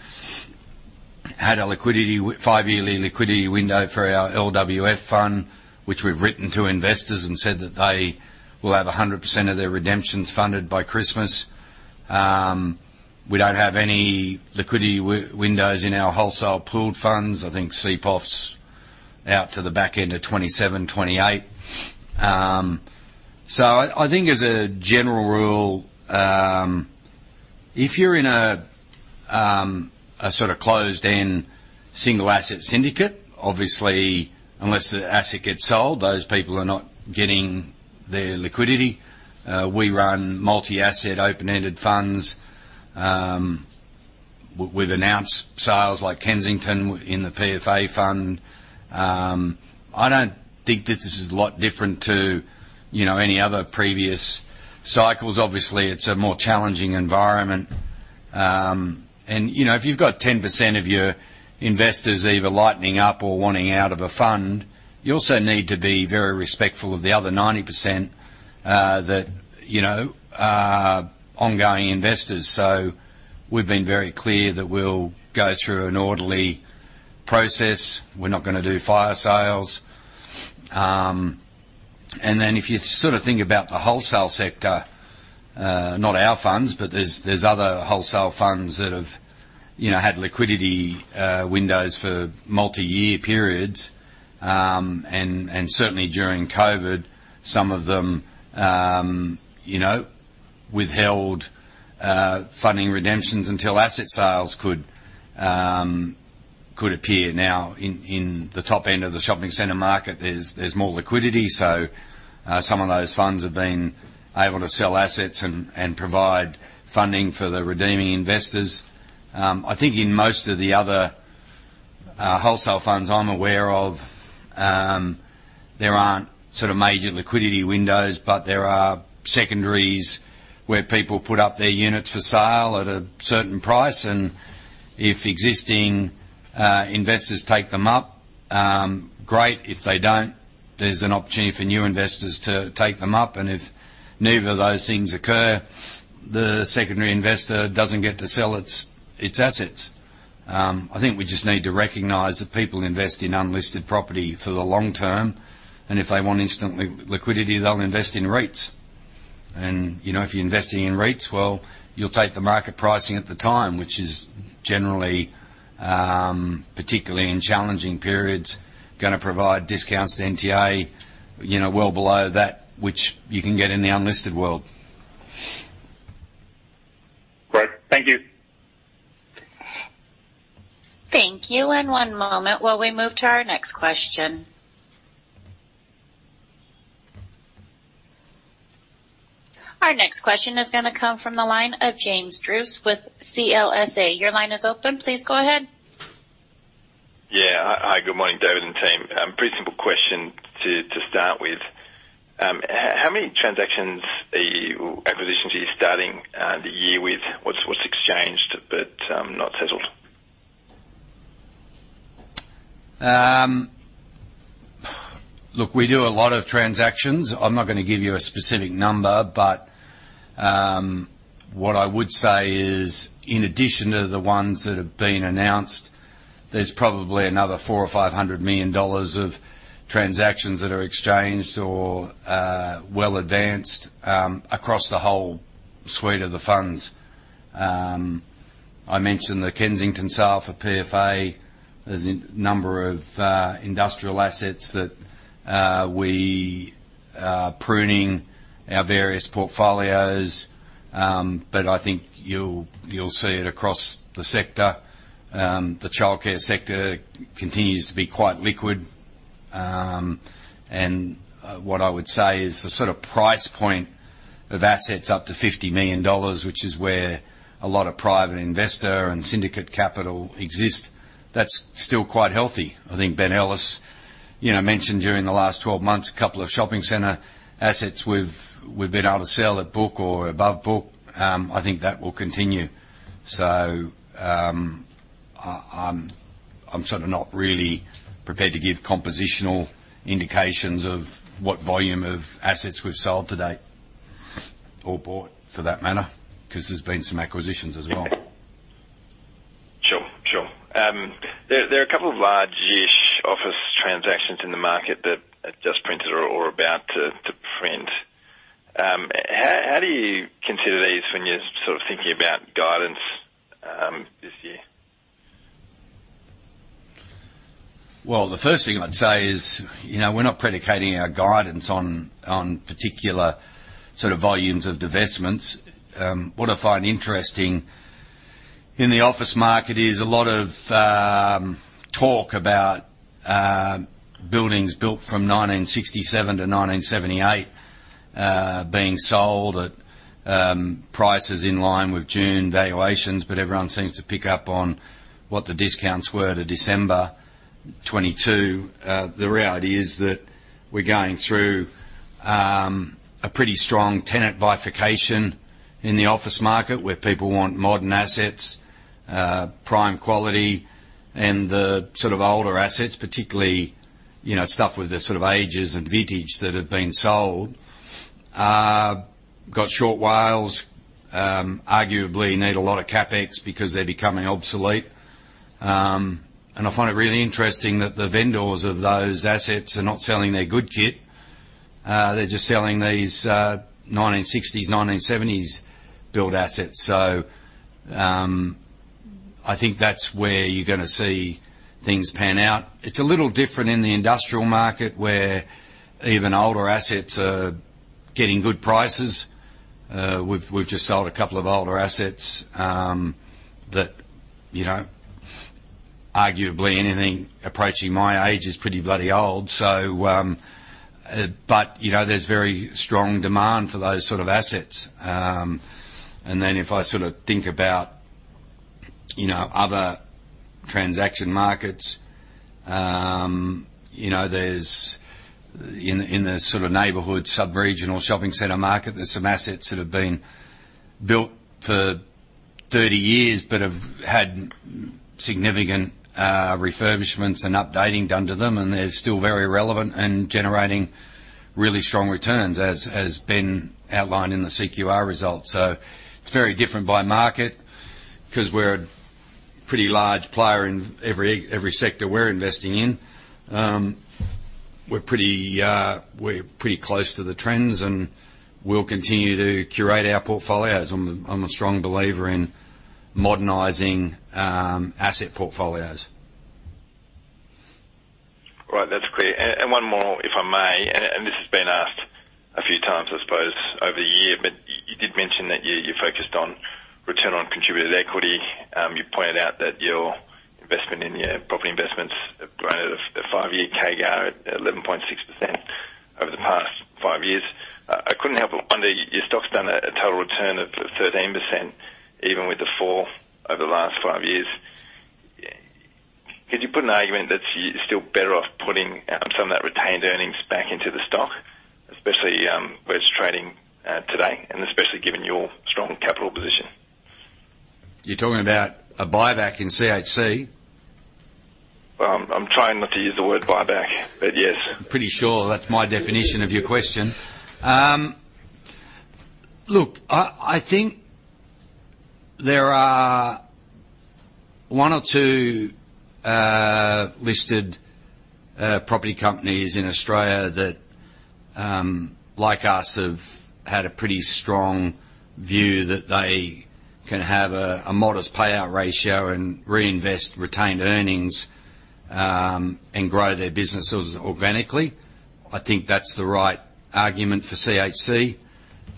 a liquidity five-year liquidity window for our LWF fund, which we've written to investors and said that they will have 100% of their redemptions funded by Christmas. We don't have any liquidity windows in our wholesale pooled funds. I think CPOF's out to the back end of 2027, 2028. I, I think as a general rule, if you're in a sort of closed-end, single asset syndicate, obviously, unless the asset gets sold, those people are not getting their liquidity. We run multi-asset, open-ended funds. We've announced sales like Kensington in the PFA fund. I don't think that this is a lot different to, you know, any other previous cycles. Obviously, it's a more challenging environment. You know, if you've got 10% of your investors either lightening up or wanting out of a fund, you also need to be very respectful of the other 90% that, you know, are ongoing investors. We've been very clear that we'll go through an orderly process. We're not gonna do fire sales. Then if you sort of think about the wholesale sector, not our funds, but there's other wholesale funds that have, you know, had liquidity windows for multiyear periods, and certainly during COVID. Some of them, you know, withheld funding redemptions until asset sales could appear. In the top end of the shopping center market, there's more liquidity, so some of those funds have been able to sell assets and provide funding for the redeeming investors. I think in most of the other wholesale funds I'm aware of, there aren't sort of major liquidity windows, but there are secondaries where people put up their units for sale at a certain price, and if existing investors take them up, great. If they don't, there's an opportunity for new investors to take them up, if neither of those things occur, the secondary investor doesn't get to sell its assets. I think we just need to recognize that people invest in unlisted property for the long term, and if they want instant liquidity, they'll invest in REITs. You know, if you're investing in REITs, well, you'll take the market pricing at the time, which is generally, particularly in challenging periods, gonna provide discounts to NTA, you know, well below that which you can get in the unlisted world. Great. Thank you. Thank you, one moment while we move to our next question. Our next question is going to come from the line of James Druce with CLSA. Your line is open. Please go ahead. Yeah. Hi, good morning, David and team. Pretty simple question to start with, how many transactions are you... Acquisitions are you starting the year with? What's, what's exchanged but not settled? Look, we do a lot of transactions. I'm not gonna give you a specific number. What I would say is, in addition to the ones that have been announced, there's probably another 400 million-500 million dollars of transactions that are exchanged or well advanced across the whole suite of the funds. I mentioned the Kensington sale for PFA. There's a number of industrial assets that we are pruning our various portfolios. I think you'll see it across the sector. The childcare sector continues to be quite liquid. What I would say is the sort of price point of assets up to 50 million dollars, which is where a lot of private investor and syndicate capital exists, that's still quite healthy. I think Ben Ellis, you know, mentioned during the last 12 months, a couple of shopping center assets we've, we've been able to sell at book or above book. I think that will continue. I, I'm, I'm sort of not really prepared to give compositional indications of what volume of assets we've sold to date, or bought for that matter, 'cause there's been some acquisitions as well. Sure. Sure. There are a couple of large-ish office transactions in the market that have just printed or are about to print. How do you consider these when you're sort of thinking about guidance this year? Well, the first thing I'd say is, you know, we're not predicating our guidance on, on particular sort of volumes of divestments. What I find interesting in the office market is a lot of talk about buildings built from 1967 to 1978 being sold at prices in line with June valuations, but everyone seems to pick up on what the discounts were to December 2022. The reality is that we're going through a pretty strong tenant bifurcation in the office market, where people want modern assets, prime quality, and the sort of older assets, particularly, you know, stuff with the sort of ages and vintage that have been sold, got short WALEs, arguably need a lot of CapEx because they're becoming obsolete. I find it really interesting that the vendors of those assets are not selling their good kit, they're just selling these, 1960s, 1970s built assets. I think that's where you're gonna see things pan out. It's a little different in the industrial market, where even older assets are getting good prices. We've we've just sold a couple of older assets, that, you know, arguably anything approaching my age is pretty bloody old. you know, there's very strong demand for those sort of assets. If I sort of think about, you know, other transaction markets, you know, there's, in, in the sort of neighborhood, sub-regional shopping center market, there's some assets that have been built for 30 years, but have had significant refurbishments and updating done to them, and they're still very relevant and generating really strong returns, as, as been outlined in the CQR results. It's very different by market, 'cause we're a pretty large player in every, every sector we're investing in. We're pretty, we're pretty close to the trends, and we'll continue to curate our portfolios. I'm a, I'm a strong believer in modernizing asset portfolios. Right, that's clear. One more, if I may, and this has been asked a few times, I suppose, over the year, but you did mention that you, you focused on return on contributed equity. You pointed out that your investment in your property investments have grown at a 5 year CAGR at 11.6% over the past five years. I couldn't help but wonder, your stock's done a total return of 13%, even with the fall over the last five years. Could you put an argument that you're still better off putting some of that retained earnings back into the stock, especially where it's trading today, and especially given your strong capital position? You're talking about a buyback in CHC? I'm trying not to use the word buyback, but yes. Pretty sure that's my definition of your question. Look, I, I think there are one or two listed property companies in Australia that, like us, have had a pretty strong view that they can have a modest payout ratio and reinvest retained earnings and grow their businesses organically. I think that's the right argument for CHC.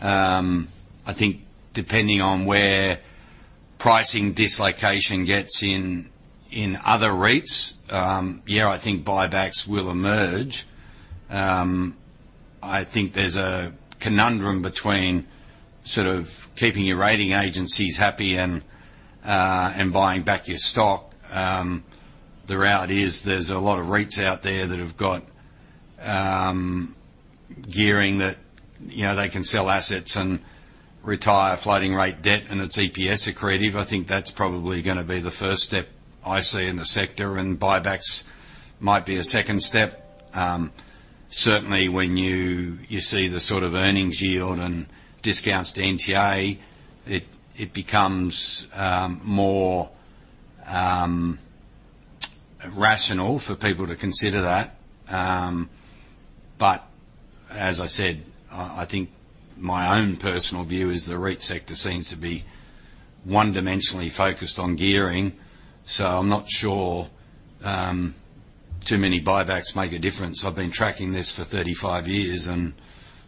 I think depending on where pricing dislocation gets in, in other REITs, yeah, I think buybacks will emerge. I think there's a conundrum between sort of keeping your rating agencies happy and buying back your stock. The reality is, there's a lot of REITs out there that have got gearing that, you know, they can sell assets and retire floating rate debt, and it's EPS accretive. I think that's probably gonna be the first step I see in the sector, and buybacks might be a second step. Certainly when you, you see the sort of earnings yield and discounts to NTA, it, it becomes, more, rational for people to consider that. But as I said, I, I think my own personal view is the REIT sector seems to be one-dimensionally focused on gearing, so I'm not sure, too many buybacks make a difference. I've been tracking this for 35 years, and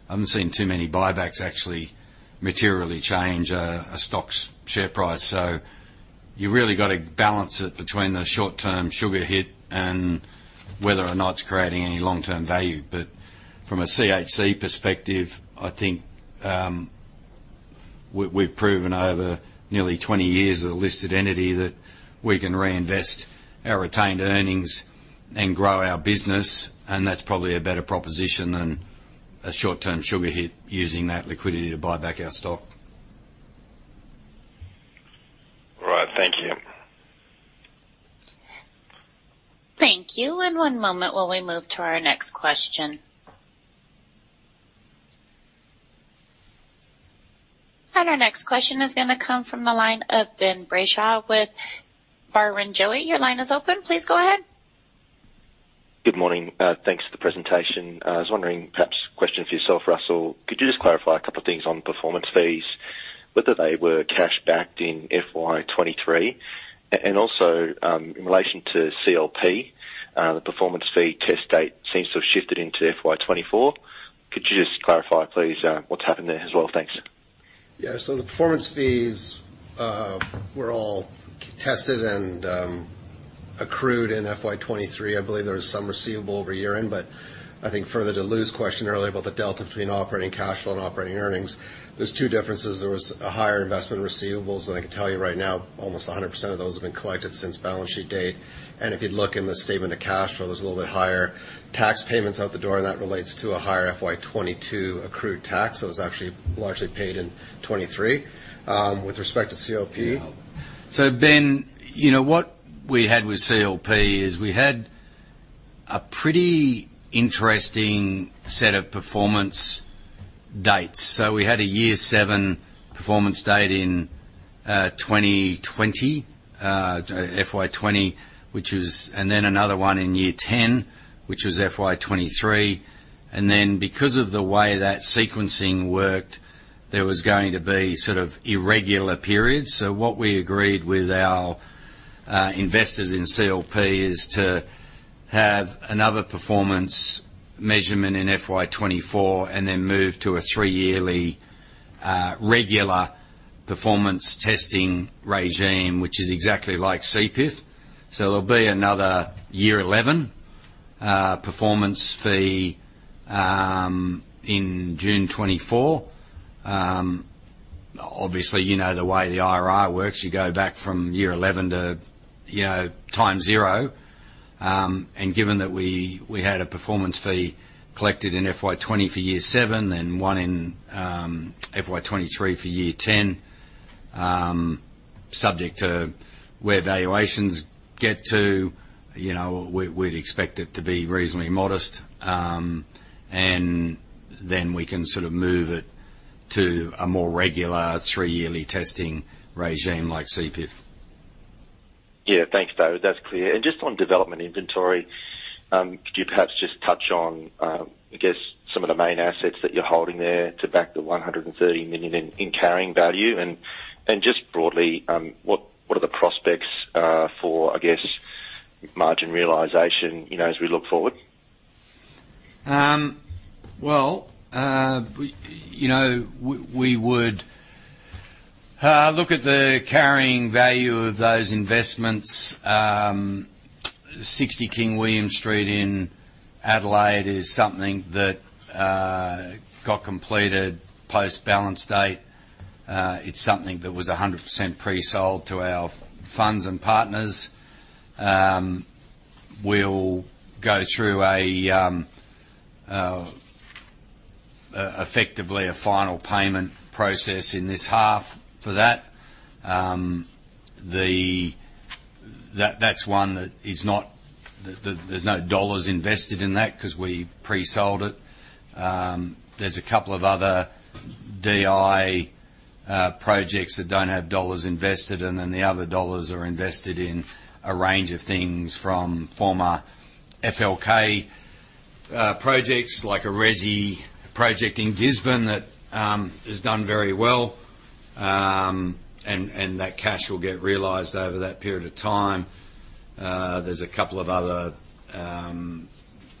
I haven't seen too many buybacks actually materially change a, a stock's share price. You've really got to balance it between the short-term sugar hit and whether or not it's creating any long-term value. From a CHC perspective, I think, we've proven over nearly 20 years as a listed entity that we can reinvest our retained earnings and grow our business, and that's probably a better proposition than a short-term sugar hit using that liquidity to buy back our stock. All right. Thank you. Thank you. In one moment, while we move to our next question. Our next question is gonna come from the line of Ben Brayshaw with Barrenjoey. Your line is open. Please go ahead. Good morning. Thanks for the presentation. I was wondering, perhaps a question for yourself, Russell, could you just clarify a couple of things on performance fees, whether they were cash backed in FY23? Also, in relation to CLP, the performance fee test date seems to have shifted into FY24. Could you just clarify, please, what's happened there as well? Thanks. Yeah, the performance fees were all tested and accrued in FY23. I believe there was some receivable over year-end. I think further to Lou's question earlier about the delta between operating cash flow and operating earnings, there's two differences. There was a higher investment receivables. I can tell you right now, almost 100% of those have been collected since balance sheet date. If you look in the statement of cash flow, there's a little bit higher tax payments out the door, and that relates to a higher FY22 accrued tax, so it's actually largely paid in 23. With respect to CLP- Ben, you know, what we had with CLP is we had a pretty interesting set of performance dates. We had a year 7 performance date in 2020, FY20. Another one in year 10, which was FY23. Because of the way that sequencing worked, there was going to be sort of irregular periods. What we agreed with our investors in CLP is to have another performance measurement in FY24, and then move to a 3-yearly, regular performance testing regime, which is exactly like CPIF. There'll be another year 11 performance fee in June 2024. Obviously, you know the way the IRR works, you go back from year 11 to, you know, times zero. Given that we, we had a performance fee collected in FY20 for year 7 and one in FY23 for year 10, subject to where valuations get to, you know, we, we'd expect it to be reasonably modest. Then we can sort of move it to a more regular 3-yearly testing regime like CPIF. Yeah. Thanks, David. That's clear. Just on development inventory, could you perhaps just touch on, I guess, some of the main assets that you're holding there to back the 130 million in, in carrying value? Just broadly, what, what are the prospects for, I guess, margin realization, you know, as we look forward? Well, we, you know, we would look at the carrying value of those investments. 60 King William Street in Adelaide is something that got completed post balance date. It's something that was 100% pre-sold to our funds and partners. We'll go through effectively a final payment process in this half for that. That, that's one that is no dollars invested in that 'cause we pre-sold it. There's a couple of other DI projects that don't have dollars invested, and then the other dollars are invested in a range of things from former Folkestone projects, like a RESI project in Gisborne that has done very well. That cash will get realized over that period of time. There's a couple of other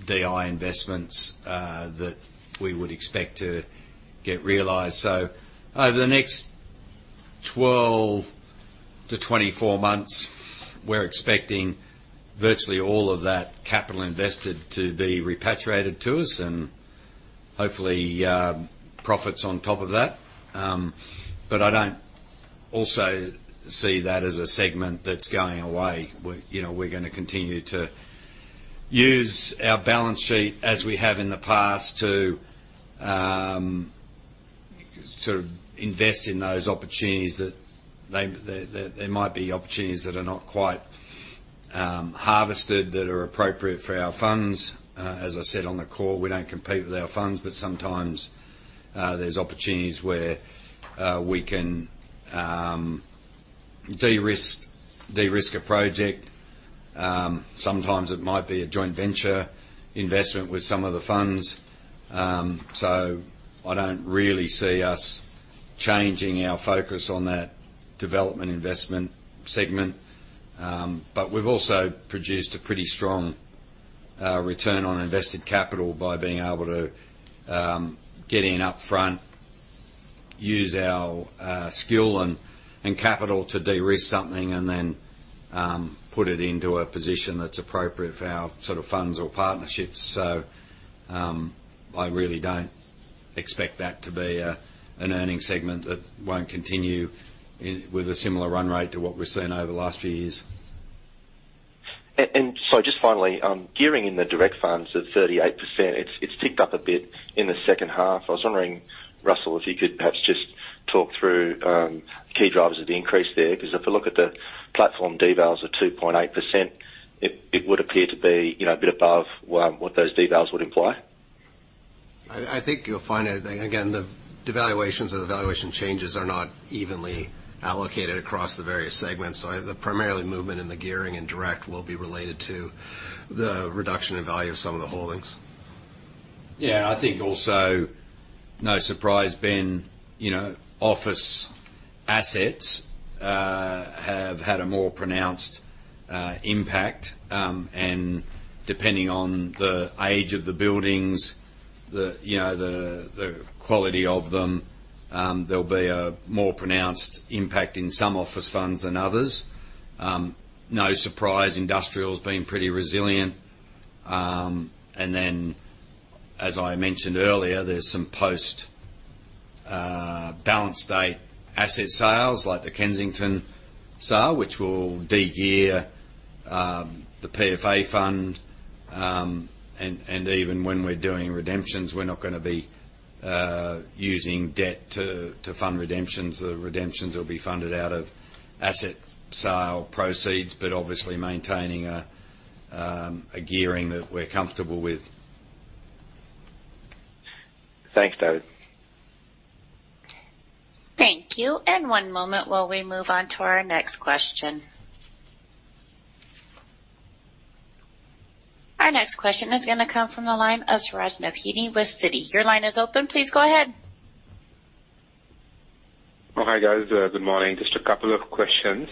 DI investments that we would expect to get realized. Over the next 12-24 months, we're expecting virtually all of that capital invested to be repatriated to us and hopefully profits on top of that. I don't also see that as a segment that's going away. We, you know, we're gonna continue to use our balance sheet, as we have in the past, to sort of invest in those opportunities that there might be opportunities that are not quite harvested, that are appropriate for our funds. As I said, on the core, we don't compete with our funds, but sometimes there's opportunities where we can de-risk, de-risk a project. Sometimes it might be a joint venture investment with some of the funds. I don't really see us changing our focus on that development investment segment. We've also produced a pretty strong return on invested capital by being able to get in upfront, use our skill and, and capital to de-risk something, and then put it into a position that's appropriate for our sort of funds or partnerships. I really don't expect that to be a, an earning segment that won't continue with a similar run rate to what we've seen over the last few years. Just finally, gearing in the direct funds at 38%, it's, it's ticked up a bit in the second half. I was wondering, Russell, if you could perhaps just talk through key drivers of the increase there, because if I look at the platform devals of 2.8%, it, it would appear to be, you know, a bit above what those devals would imply. I, I think you'll find that, again, the devaluations or the valuation changes are not evenly allocated across the various segments. Primarily, movement in the gearing and direct will be related to the reduction in value of some of the holdings. Yeah, I think also, no surprise, Ben, you know, office assets have had a more pronounced impact. Depending on the age of the buildings, the, you know, the quality of them, there'll be a more pronounced impact in some office funds than others. No surprise, industrial's been pretty resilient. Then, as I mentioned earlier, there's some post balance date asset sales, like the Kensington sale, which will de-gear the PFA fund. And even when we're doing redemptions, we're not gonna be using debt to fund redemptions. The redemptions will be funded out of asset sale proceeds, obviously maintaining a gearing that we're comfortable with. Thanks, Dave. Thank you. 1 moment while we move on to our next question. Our next question is going to come from the line of Suraj Nebhani with Citi. Your line is open. Please go ahead. Oh, hi, guys. Good morning. Just a couple of questions.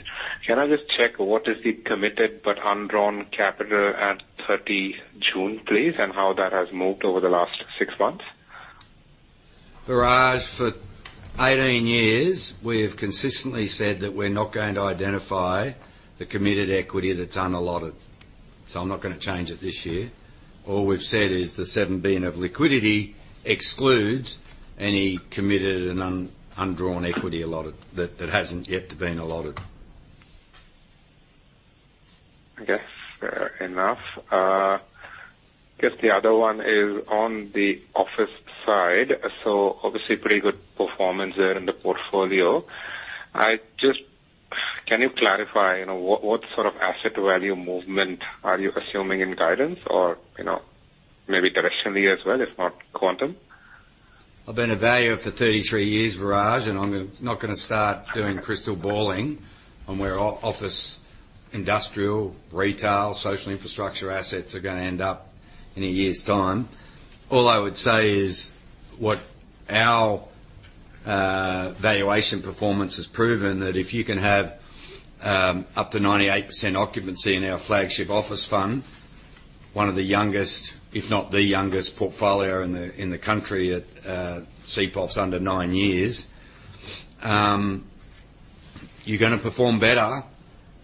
Can I just check, what is the committed but undrawn capital at 30 June, please, and how that has moved over the last 6 months? Suraj, for 18 years, we have consistently said that we're not going to identify the committed equity that's unallotted, so I'm not gonna change it this year. All we've said is the 7 billion of liquidity excludes any committed and un-undrawn equity allotted that hasn't yet been allotted. I guess, fair enough. I guess the other one is on the office side. Obviously, pretty good performance there in the portfolio. Can you clarify, you know, what, what sort of asset value movement are you assuming in guidance? Or, you know, maybe directionally as well, if not quantum. I've been a valuer for 33 years, Suraj, and I'm not gonna start doing crystal balling on where office, industrial, retail, social infrastructure assets are gonna end up in a year's time. All I would say is, what our valuation performance has proven that if you can have up to 98% occupancy in our flagship office fund, one of the youngest, if not the youngest portfolio in the country at CPOF's under 9 years, you're gonna perform better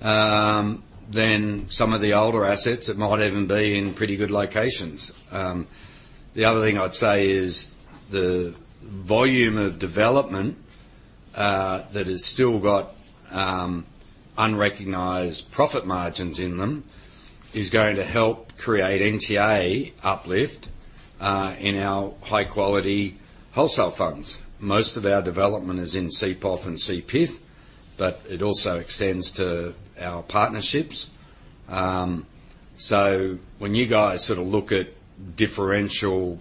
than some of the older assets that might even be in pretty good locations. The other thing I'd say is, the volume of development that has still got unrecognized profit margins in them, is going to help create NTA uplift in our high quality wholesale funds. Most of our development is in CPOF and CPIF, but it also extends to our partnerships. When you guys sort of look at differential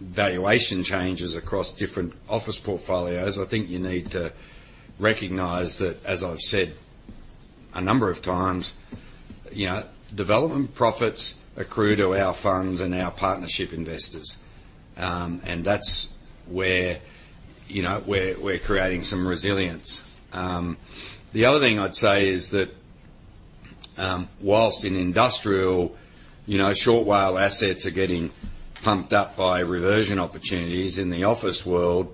valuation changes across different office portfolios, I think you need to recognize that, as I've said a number of times, you know, development profits accrue to our funds and our partnership investors. That's where, you know, we're, we're creating some resilience. The other thing I'd say is that, whilst in industrial, you know, short WALE assets are getting pumped up by reversion opportunities in the office world,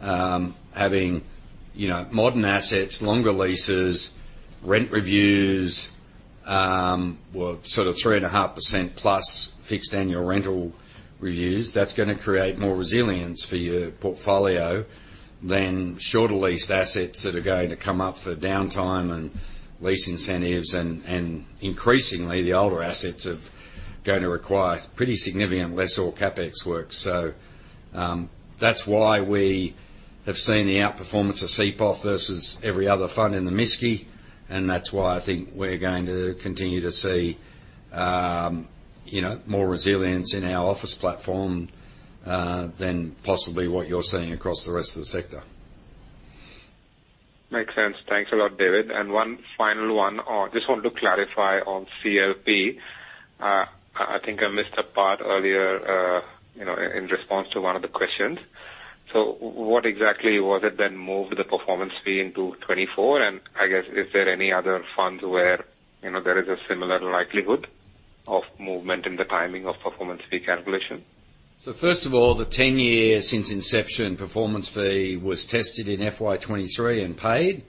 having, you know, modern assets, longer leases, rent reviews, 3.5% plus fixed annual rental reviews, that's gonna create more resilience for your portfolio than shorter leased assets that are going to come up for downtime and lease incentives. Increasingly, the older assets are going to require pretty significant lease or CapEx work. That's why we have seen the outperformance of CPOF versus every other fund in the MSCI, and that's why I think we're going to continue to see, you know, more resilience in our office platform than possibly what you're seeing across the rest of the sector. Makes sense. Thanks a lot, David. One final one. Just want to clarify on CLP. I, I think I missed a part earlier, you know, in, in response to one of the questions. What exactly was it that moved the performance fee into 2024? I guess, is there any other funds where, you know, there is a similar likelihood of movement in the timing of performance fee calculation? First of all, the 10 years since inception performance fee was tested in FY23 and paid.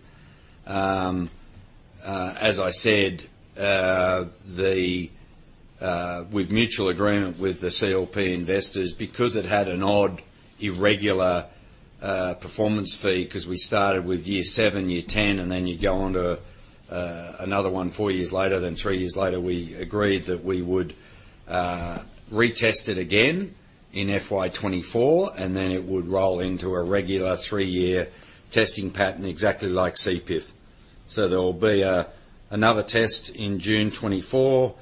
As I said, with mutual agreement with the CLP investors, because it had an odd, irregular performance fee, 'cause we started with year 7, year 10, and then you go on to another one four years later, then three years later, we agreed that we would retest it again in FY24, and then it would roll into a regular three-year testing pattern. Exactly like CPIF. There will be another test in June 2024.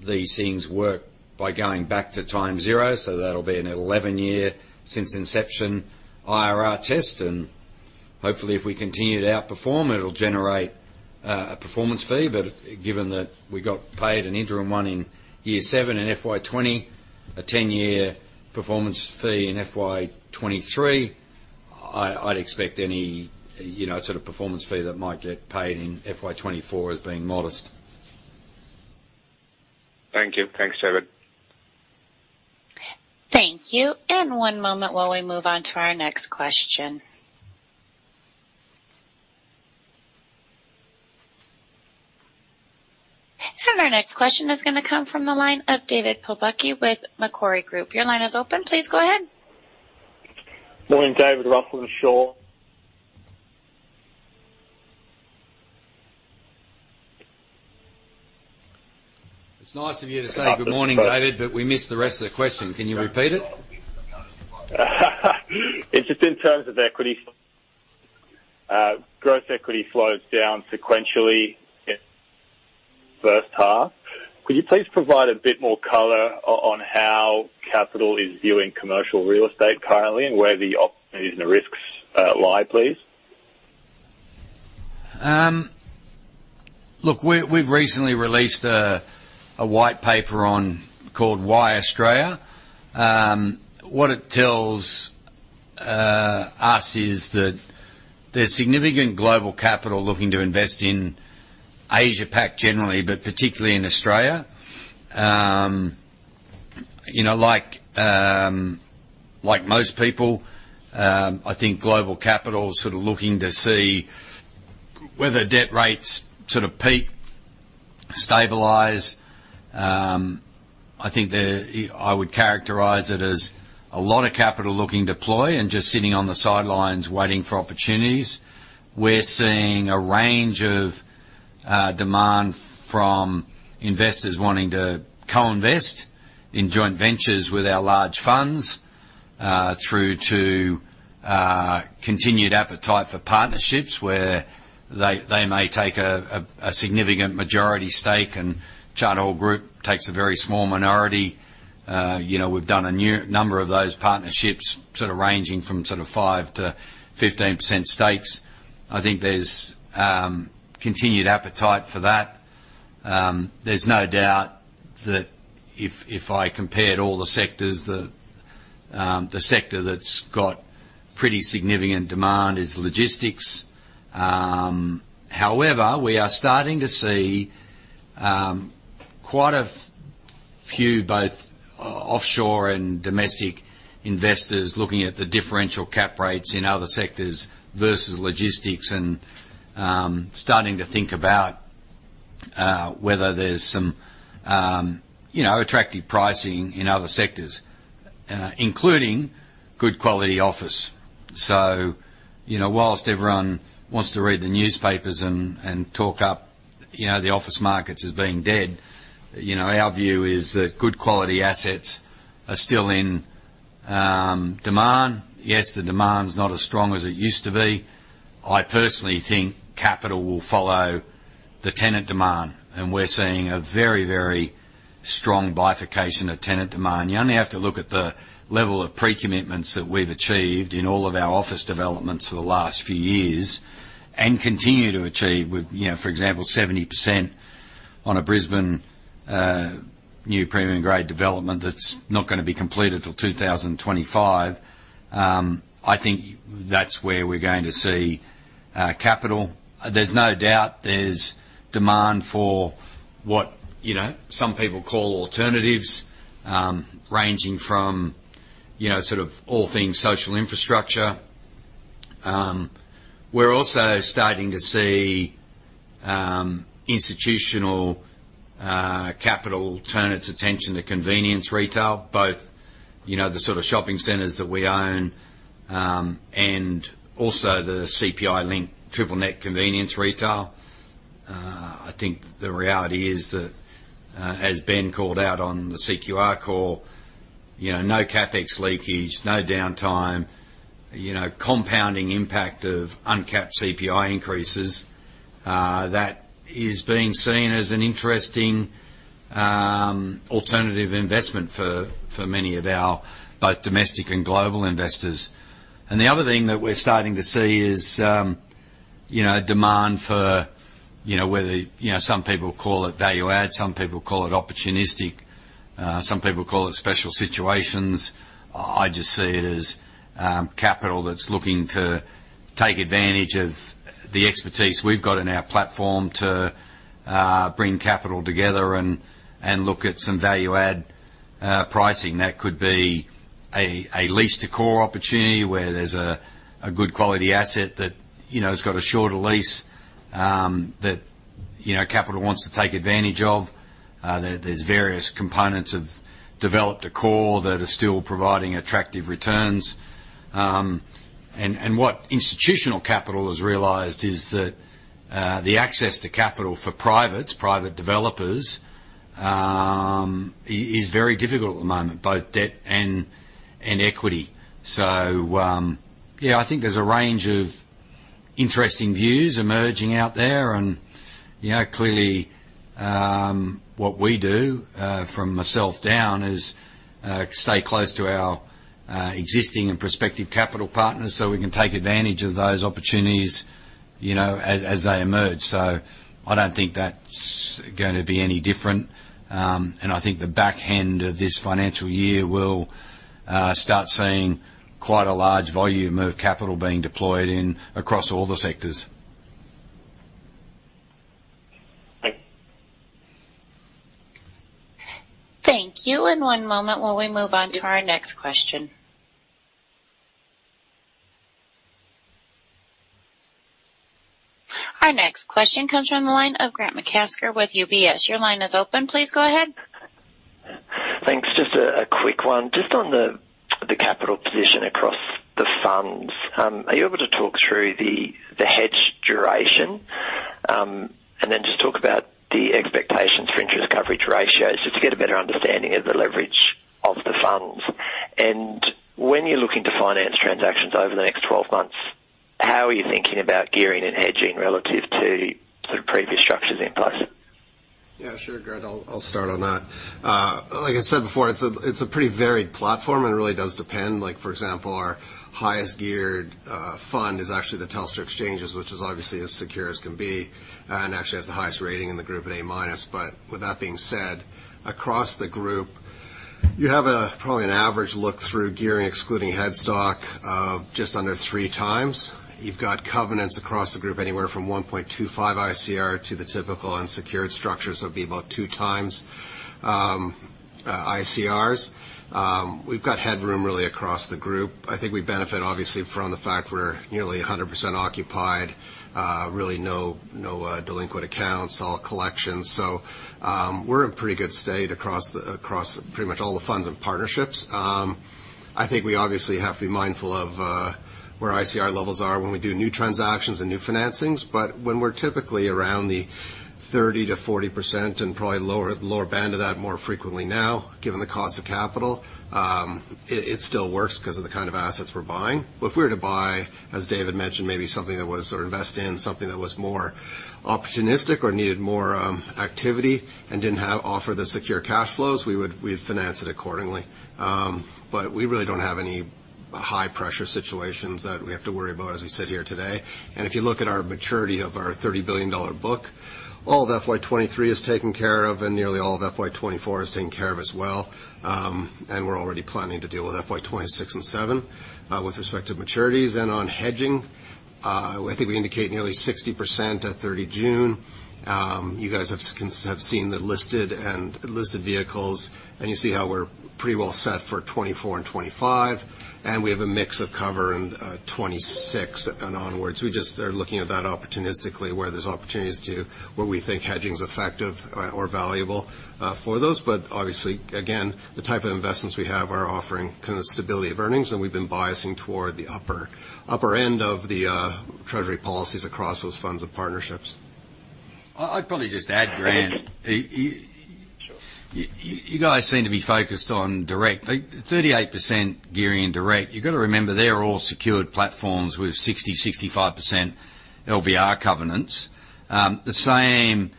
These things work by going back to time zero, so that'll be an 11-year since inception IRR test, and hopefully, if we continue to outperform, it'll generate a performance fee. Given that we got paid an interim one in year seven in FY20, a 10-year performance fee in FY23, I'd expect any, you know, sort of performance fee that might get paid in FY 2024 as being modest. Thank you. Thanks, David. Thank you, 1 moment while we move on to our next question. Our next question is gonna come from the line of David Pobucky with Macquarie Group. Your line is open. Please go ahead. Good morning, David Russell Proutt. It's nice of you to say good morning, David, but we missed the rest of the question. Can you repeat it? It's just in terms of equity, growth equity slows down sequentially in 1st half. Could you please provide a bit more color on how capital is viewing commercial real estate currently, and where the and the risks, lie, please? Look, we've recently released a white paper on Why Australia. What it tells us is that there's significant global capital looking to invest in AsiaPac generally, but particularly in Australia. You know, like, like most people, I think global capital is sort of looking to see whether debt rates sort of peak, stabilize. I think I would characterize it as a lot of capital looking to deploy and just sitting on the sidelines waiting for opportunities. We're seeing a range of demand from investors wanting to co-invest in joint ventures with our large funds, through to continued appetite for partnerships, where they may take a significant majority stake, and Charter Hall Group takes a very small minority. You know, we've done a number of those partnerships, sort of ranging from sort of 5%-15% stakes. I think there's continued appetite for that. There's no doubt that if, if I compared all the sectors, the sector that's got pretty significant demand is logistics. However, we are starting to see quite a few, both offshore and domestic investors, looking at the differential cap rates in other sectors versus logistics, and starting to think about whether there's some, you know, attractive pricing in other sectors, including good quality office. You know, whilst everyone wants to read the newspapers and, and talk up, you know, the office markets as being dead, you know, our view is that good quality assets are still in demand. Yes, the demand's not as strong as it used to be. I personally think capital will follow the tenant demand, and we're seeing a very, very strong bifurcation of tenant demand. You only have to look at the level of pre-commitments that we've achieved in all of our office developments for the last few years and continue to achieve with, you know, for example, 70% on a Brisbane new premium grade development that's not gonna be completed till 2025. I think that's where we're going to see capital. There's no doubt there's demand for what, you know, some people call alternatives, ranging from, you know, sort of all things social infrastructure. We're also starting to see institutional capital turn its attention to convenience retail, both, you know, the sort of shopping centers that we own, and also the CPI-linked Triple Net convenience retail. I think the reality is that as Ben called out on the CQR call, you know, no CapEx leakage, no downtime, you know, compounding impact of uncapped CPI increases, that is being seen as an interesting alternative investment for, for many of our both domestic and global investors. The other thing that we're starting to see is, you know, demand for, you know, whether, you know, some people call it value add, some people call it opportunistic, some people call it special situations. I just see it as capital that's looking to take advantage of the expertise we've got in our platform to bring capital together and look at some value add pricing. That could be a lease to core opportunity, where there's a good quality asset that, you know, has got a shorter lease, that, you know, capital wants to take advantage of. There, there's various components of developed-to-core that are still providing attractive returns. What institutional capital has realized is that the access to capital for privates, private developers, is very difficult at the moment, both debt and equity. Yeah, I think there's a range of interesting views emerging out there. You know, clearly, what we do, from myself down, is stay close to our existing and prospective capital partners, so we can take advantage of those opportunities, you know, as they emerge. I don't think that's gonna be any different. I think the back end of this financial year will start seeing quite a large volume of capital being deployed in across all the sectors. Thank you. Thank you. In one moment, while we move on to our next question. Our next question comes from the line of Grant McCasker with UBS. Your line is open. Please go ahead. Thanks. Just a, a quick one. Just on the, the capital position across the funds, are you able to talk through the, the hedge duration? Then just talk about the expectations for interest coverage ratios, just to get a better understanding of the leverage of the funds. When you're looking to finance transactions over the next 12 months, how are you thinking about gearing and hedging relative to the previous structures in place? Yeah, sure, Grant, I'll, I'll start on that. Like I said before, it's a, it's a pretty varied platform, and it really does depend. Like, for example, our highest geared fund is actually the Telstra exchanges, which is obviously as secure as can be and actually has the highest rating in the group at A-. With that being said, across the group, you have a, probably an average look-through gearing, excluding headstock, of just under 3 times. You've got covenants across the group, anywhere from 1.25 ICR to the typical unsecured structures, would be about 2x ICRs. We've got headroom really across the group. I think we benefit, obviously, from the fact we're nearly 100% occupied. Really no, no delinquent accounts, all collections. We're in pretty good state across the, across pretty much all the funds and partnerships. I think we obviously have to be mindful of where ICR levels are when we do new transactions and new financings, but when we're typically around the 30%-40% and probably lower, lower band of that more frequently now, given the cost of capital, it still works because of the kind of assets we're buying. If we were to buy, as David mentioned, maybe something that was, or invest in something that was more opportunistic or needed more activity and didn't have, offer the secure cash flows, we would, we'd finance it accordingly. We really don't have any high-pressure situations that we have to worry about as we sit here today. If you look at our maturity of our AUD 30 billion book, all of FY23 is taken care of, and nearly all of FY24 is taken care of as well. We're already planning to deal with FY26 and 2027 with respect to maturities. On hedging, I think we indicate nearly 60% at 30 June. You guys have seen the listed and listed vehicles, and you see how we're pretty well set for 2024 and 2025, and we have a mix of cover in 2026 and onwards. We just are looking at that opportunistically, where there's opportunities to, where we think hedging is effective or, or valuable for those. Obviously, again, the type of investments we have are offering kind of stability of earnings, and we've been biasing toward the upper, upper end of the treasury policies across those funds and partnerships. I'd probably just add, Grant, you. Sure. You, you, you guys seem to be focused on direct. 38% gearing in direct, you've got to remember, they're all secured platforms with 60%, 65% LVR covenants. The same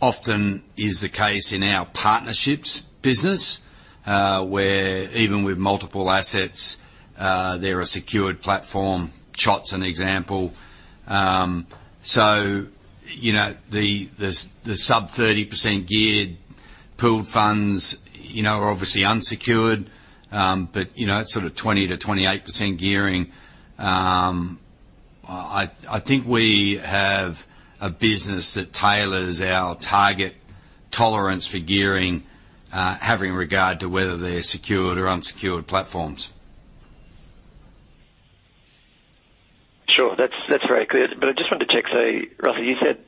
often is the case in our partnerships business, where even with multiple assets, they're a secured platform. CHOT, an example. So, you know, the sub 30% geared pooled funds, you know, are obviously unsecured. But, you know, it's sort of 20%-28% gearing. I, I think we have a business that tailors our target tolerance for gearing, having regard to whether they're secured or unsecured platforms. Sure. That's, that's very clear. I just wanted to check, so Russell, you said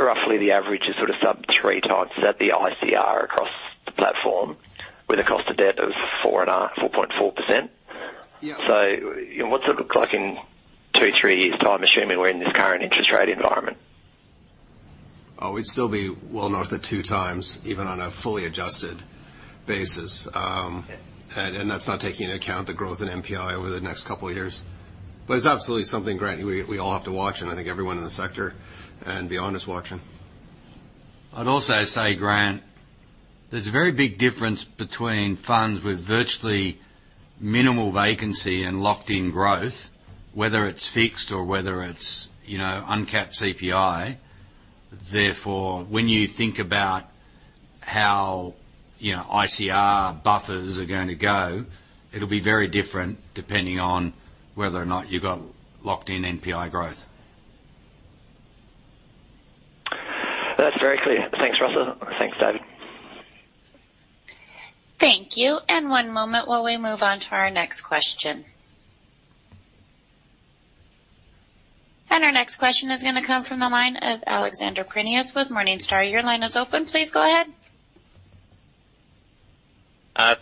roughly the average is sort of sub 3 times, is that the ICR across the platform with a cost of debt of 4.4%? Yeah. What's it look like in 2, 3 years' time, assuming we're in this current interest rate environment? Oh, we'd still be well north of 2x, even on a fully adjusted basis. Yeah. That's not taking into account the growth in NPI over the next couple of years. It's absolutely something, Grant, we, we all have to watch, and I think everyone in the sector and beyond is watching. I'd also say, Grant, there's a very big difference between funds with virtually minimal vacancy and locked-in growth, whether it's fixed or whether it's, you know, uncapped CPI. Therefore, when you think about how, you know, ICR buffers are going to go, it'll be very different depending on whether or not you've got locked-in NPI growth. That's very clear. Thanks, Russell. Thanks, David. Thank you, 1 moment while we move on to our next question. Our next question is gonna come from the line of Alexander Prineas with Morningstar. Your line is open. Please go ahead.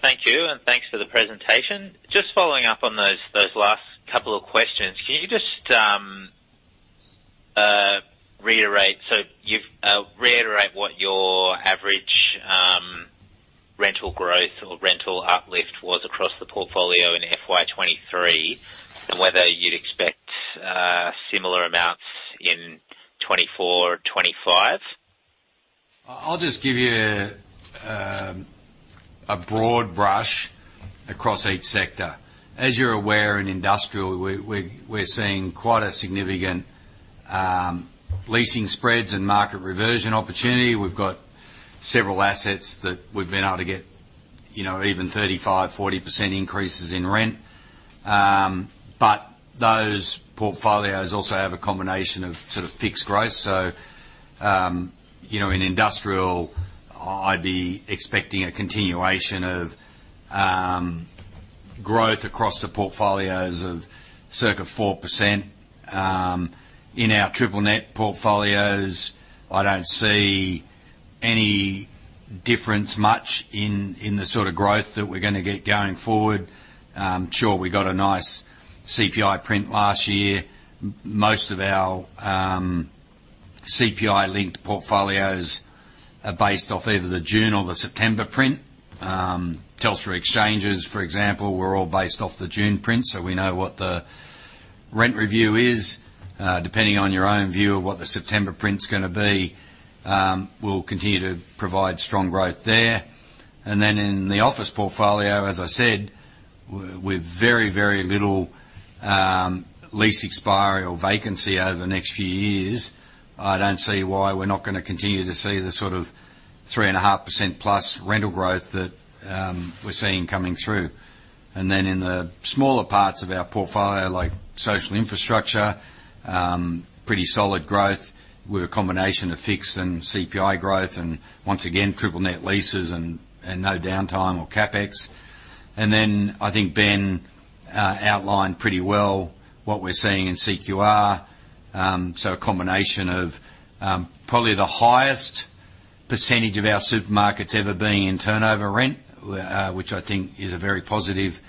Thank you. Thanks for the presentation. Just following up on those, those last couple of questions, can you just reiterate? So you've reiterate what your average rental growth or rental uplift was across the portfolio in FY23, and whether you'd expect similar amounts in 2024 or 2025? I, I'll just give you a broad brush across each sector. As you're aware, in industrial, we're, we're, we're seeing quite a significant leasing spreads and market reversion opportunity. We've got several assets that we've been able to get, you know, even 35%-40% increases in rent. Those portfolios also have a combination of sort of fixed growth. You know, in industrial, I'd be expecting a continuation of growth across the portfolios of circa 4%. In our Triple Net portfolios, I don't see any difference much in, in the sort of growth that we're gonna get going forward. We got a nice CPI print last year. Most of our CPI-linked portfolios are based off either the June or the September print. Telstra exchanges, for example, were all based off the June print, so we know what the rent review is. Depending on your own view of what the September print is gonna be, we'll continue to provide strong growth there. In the office portfolio, as I said, with very, very little lease expiry or vacancy over the next few years, I don't see why we're not gonna continue to see the sort of 3.5% plus rental growth that we're seeing coming through. In the smaller parts of our portfolio, like social infrastructure, pretty solid growth with a combination of fixed and CPI growth, and once again, triple net leases and no downtime or CapEx. I think Ben outlined pretty well what we're seeing in CQR. A combination of, probably the highest % of our supermarkets ever being in turnover rent, which I think is a very positive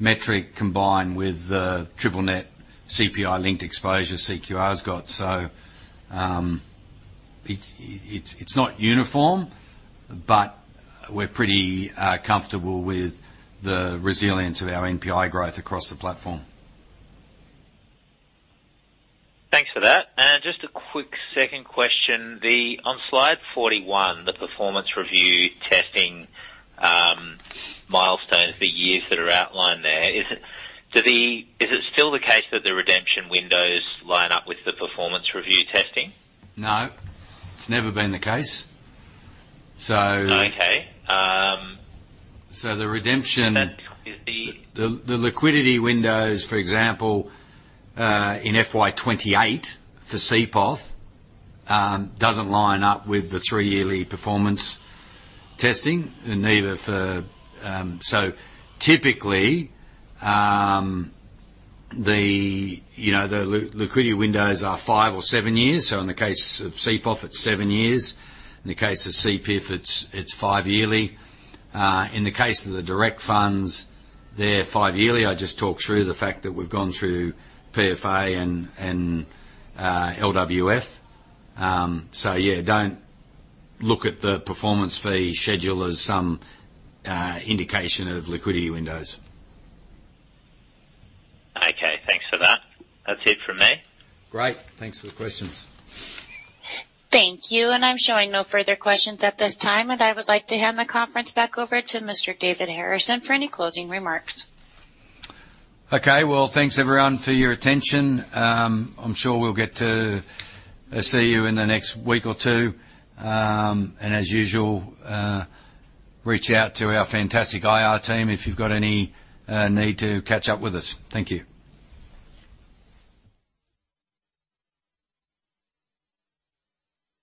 metric, combined with the Triple Net CPI-linked exposure CQR's got. It, it's, it's not uniform, but we're pretty comfortable with the resilience of our NPI growth across the platform. Thanks for that. Just a quick second question. The, on slide 41, the performance review testing, milestones, the years that are outlined there, is it still the case that the redemption windows line up with the performance review testing? No, it's never been the case, so. Okay. So the redemption- That is the- The, the liquidity windows, for example, in FY28 for CPIF, doesn't line up with the 3-yearly performance testing, and neither for... Typically, the, you know, liquidity windows are 5 or 7 years, so in the case of CPIF, it's 7 years. In the case of CPIF, it's, it's 5-yearly. In the case of the direct funds, they're 5-yearly. I just talked through the fact that we've gone through PFA and, and LWF. Yeah, don't look at the performance fee schedule as some indication of liquidity windows. Okay, thanks for that. That's it from me. Great. Thanks for the questions. Thank you. I'm showing no further questions at this time. I would like to hand the conference back over to Mr. David Harrison for any closing remarks. Okay. Well, thanks, everyone, for your attention. I'm sure we'll get to see you in the next week or two. As usual, reach out to our fantastic IR team if you've got any need to catch up with us. Thank you.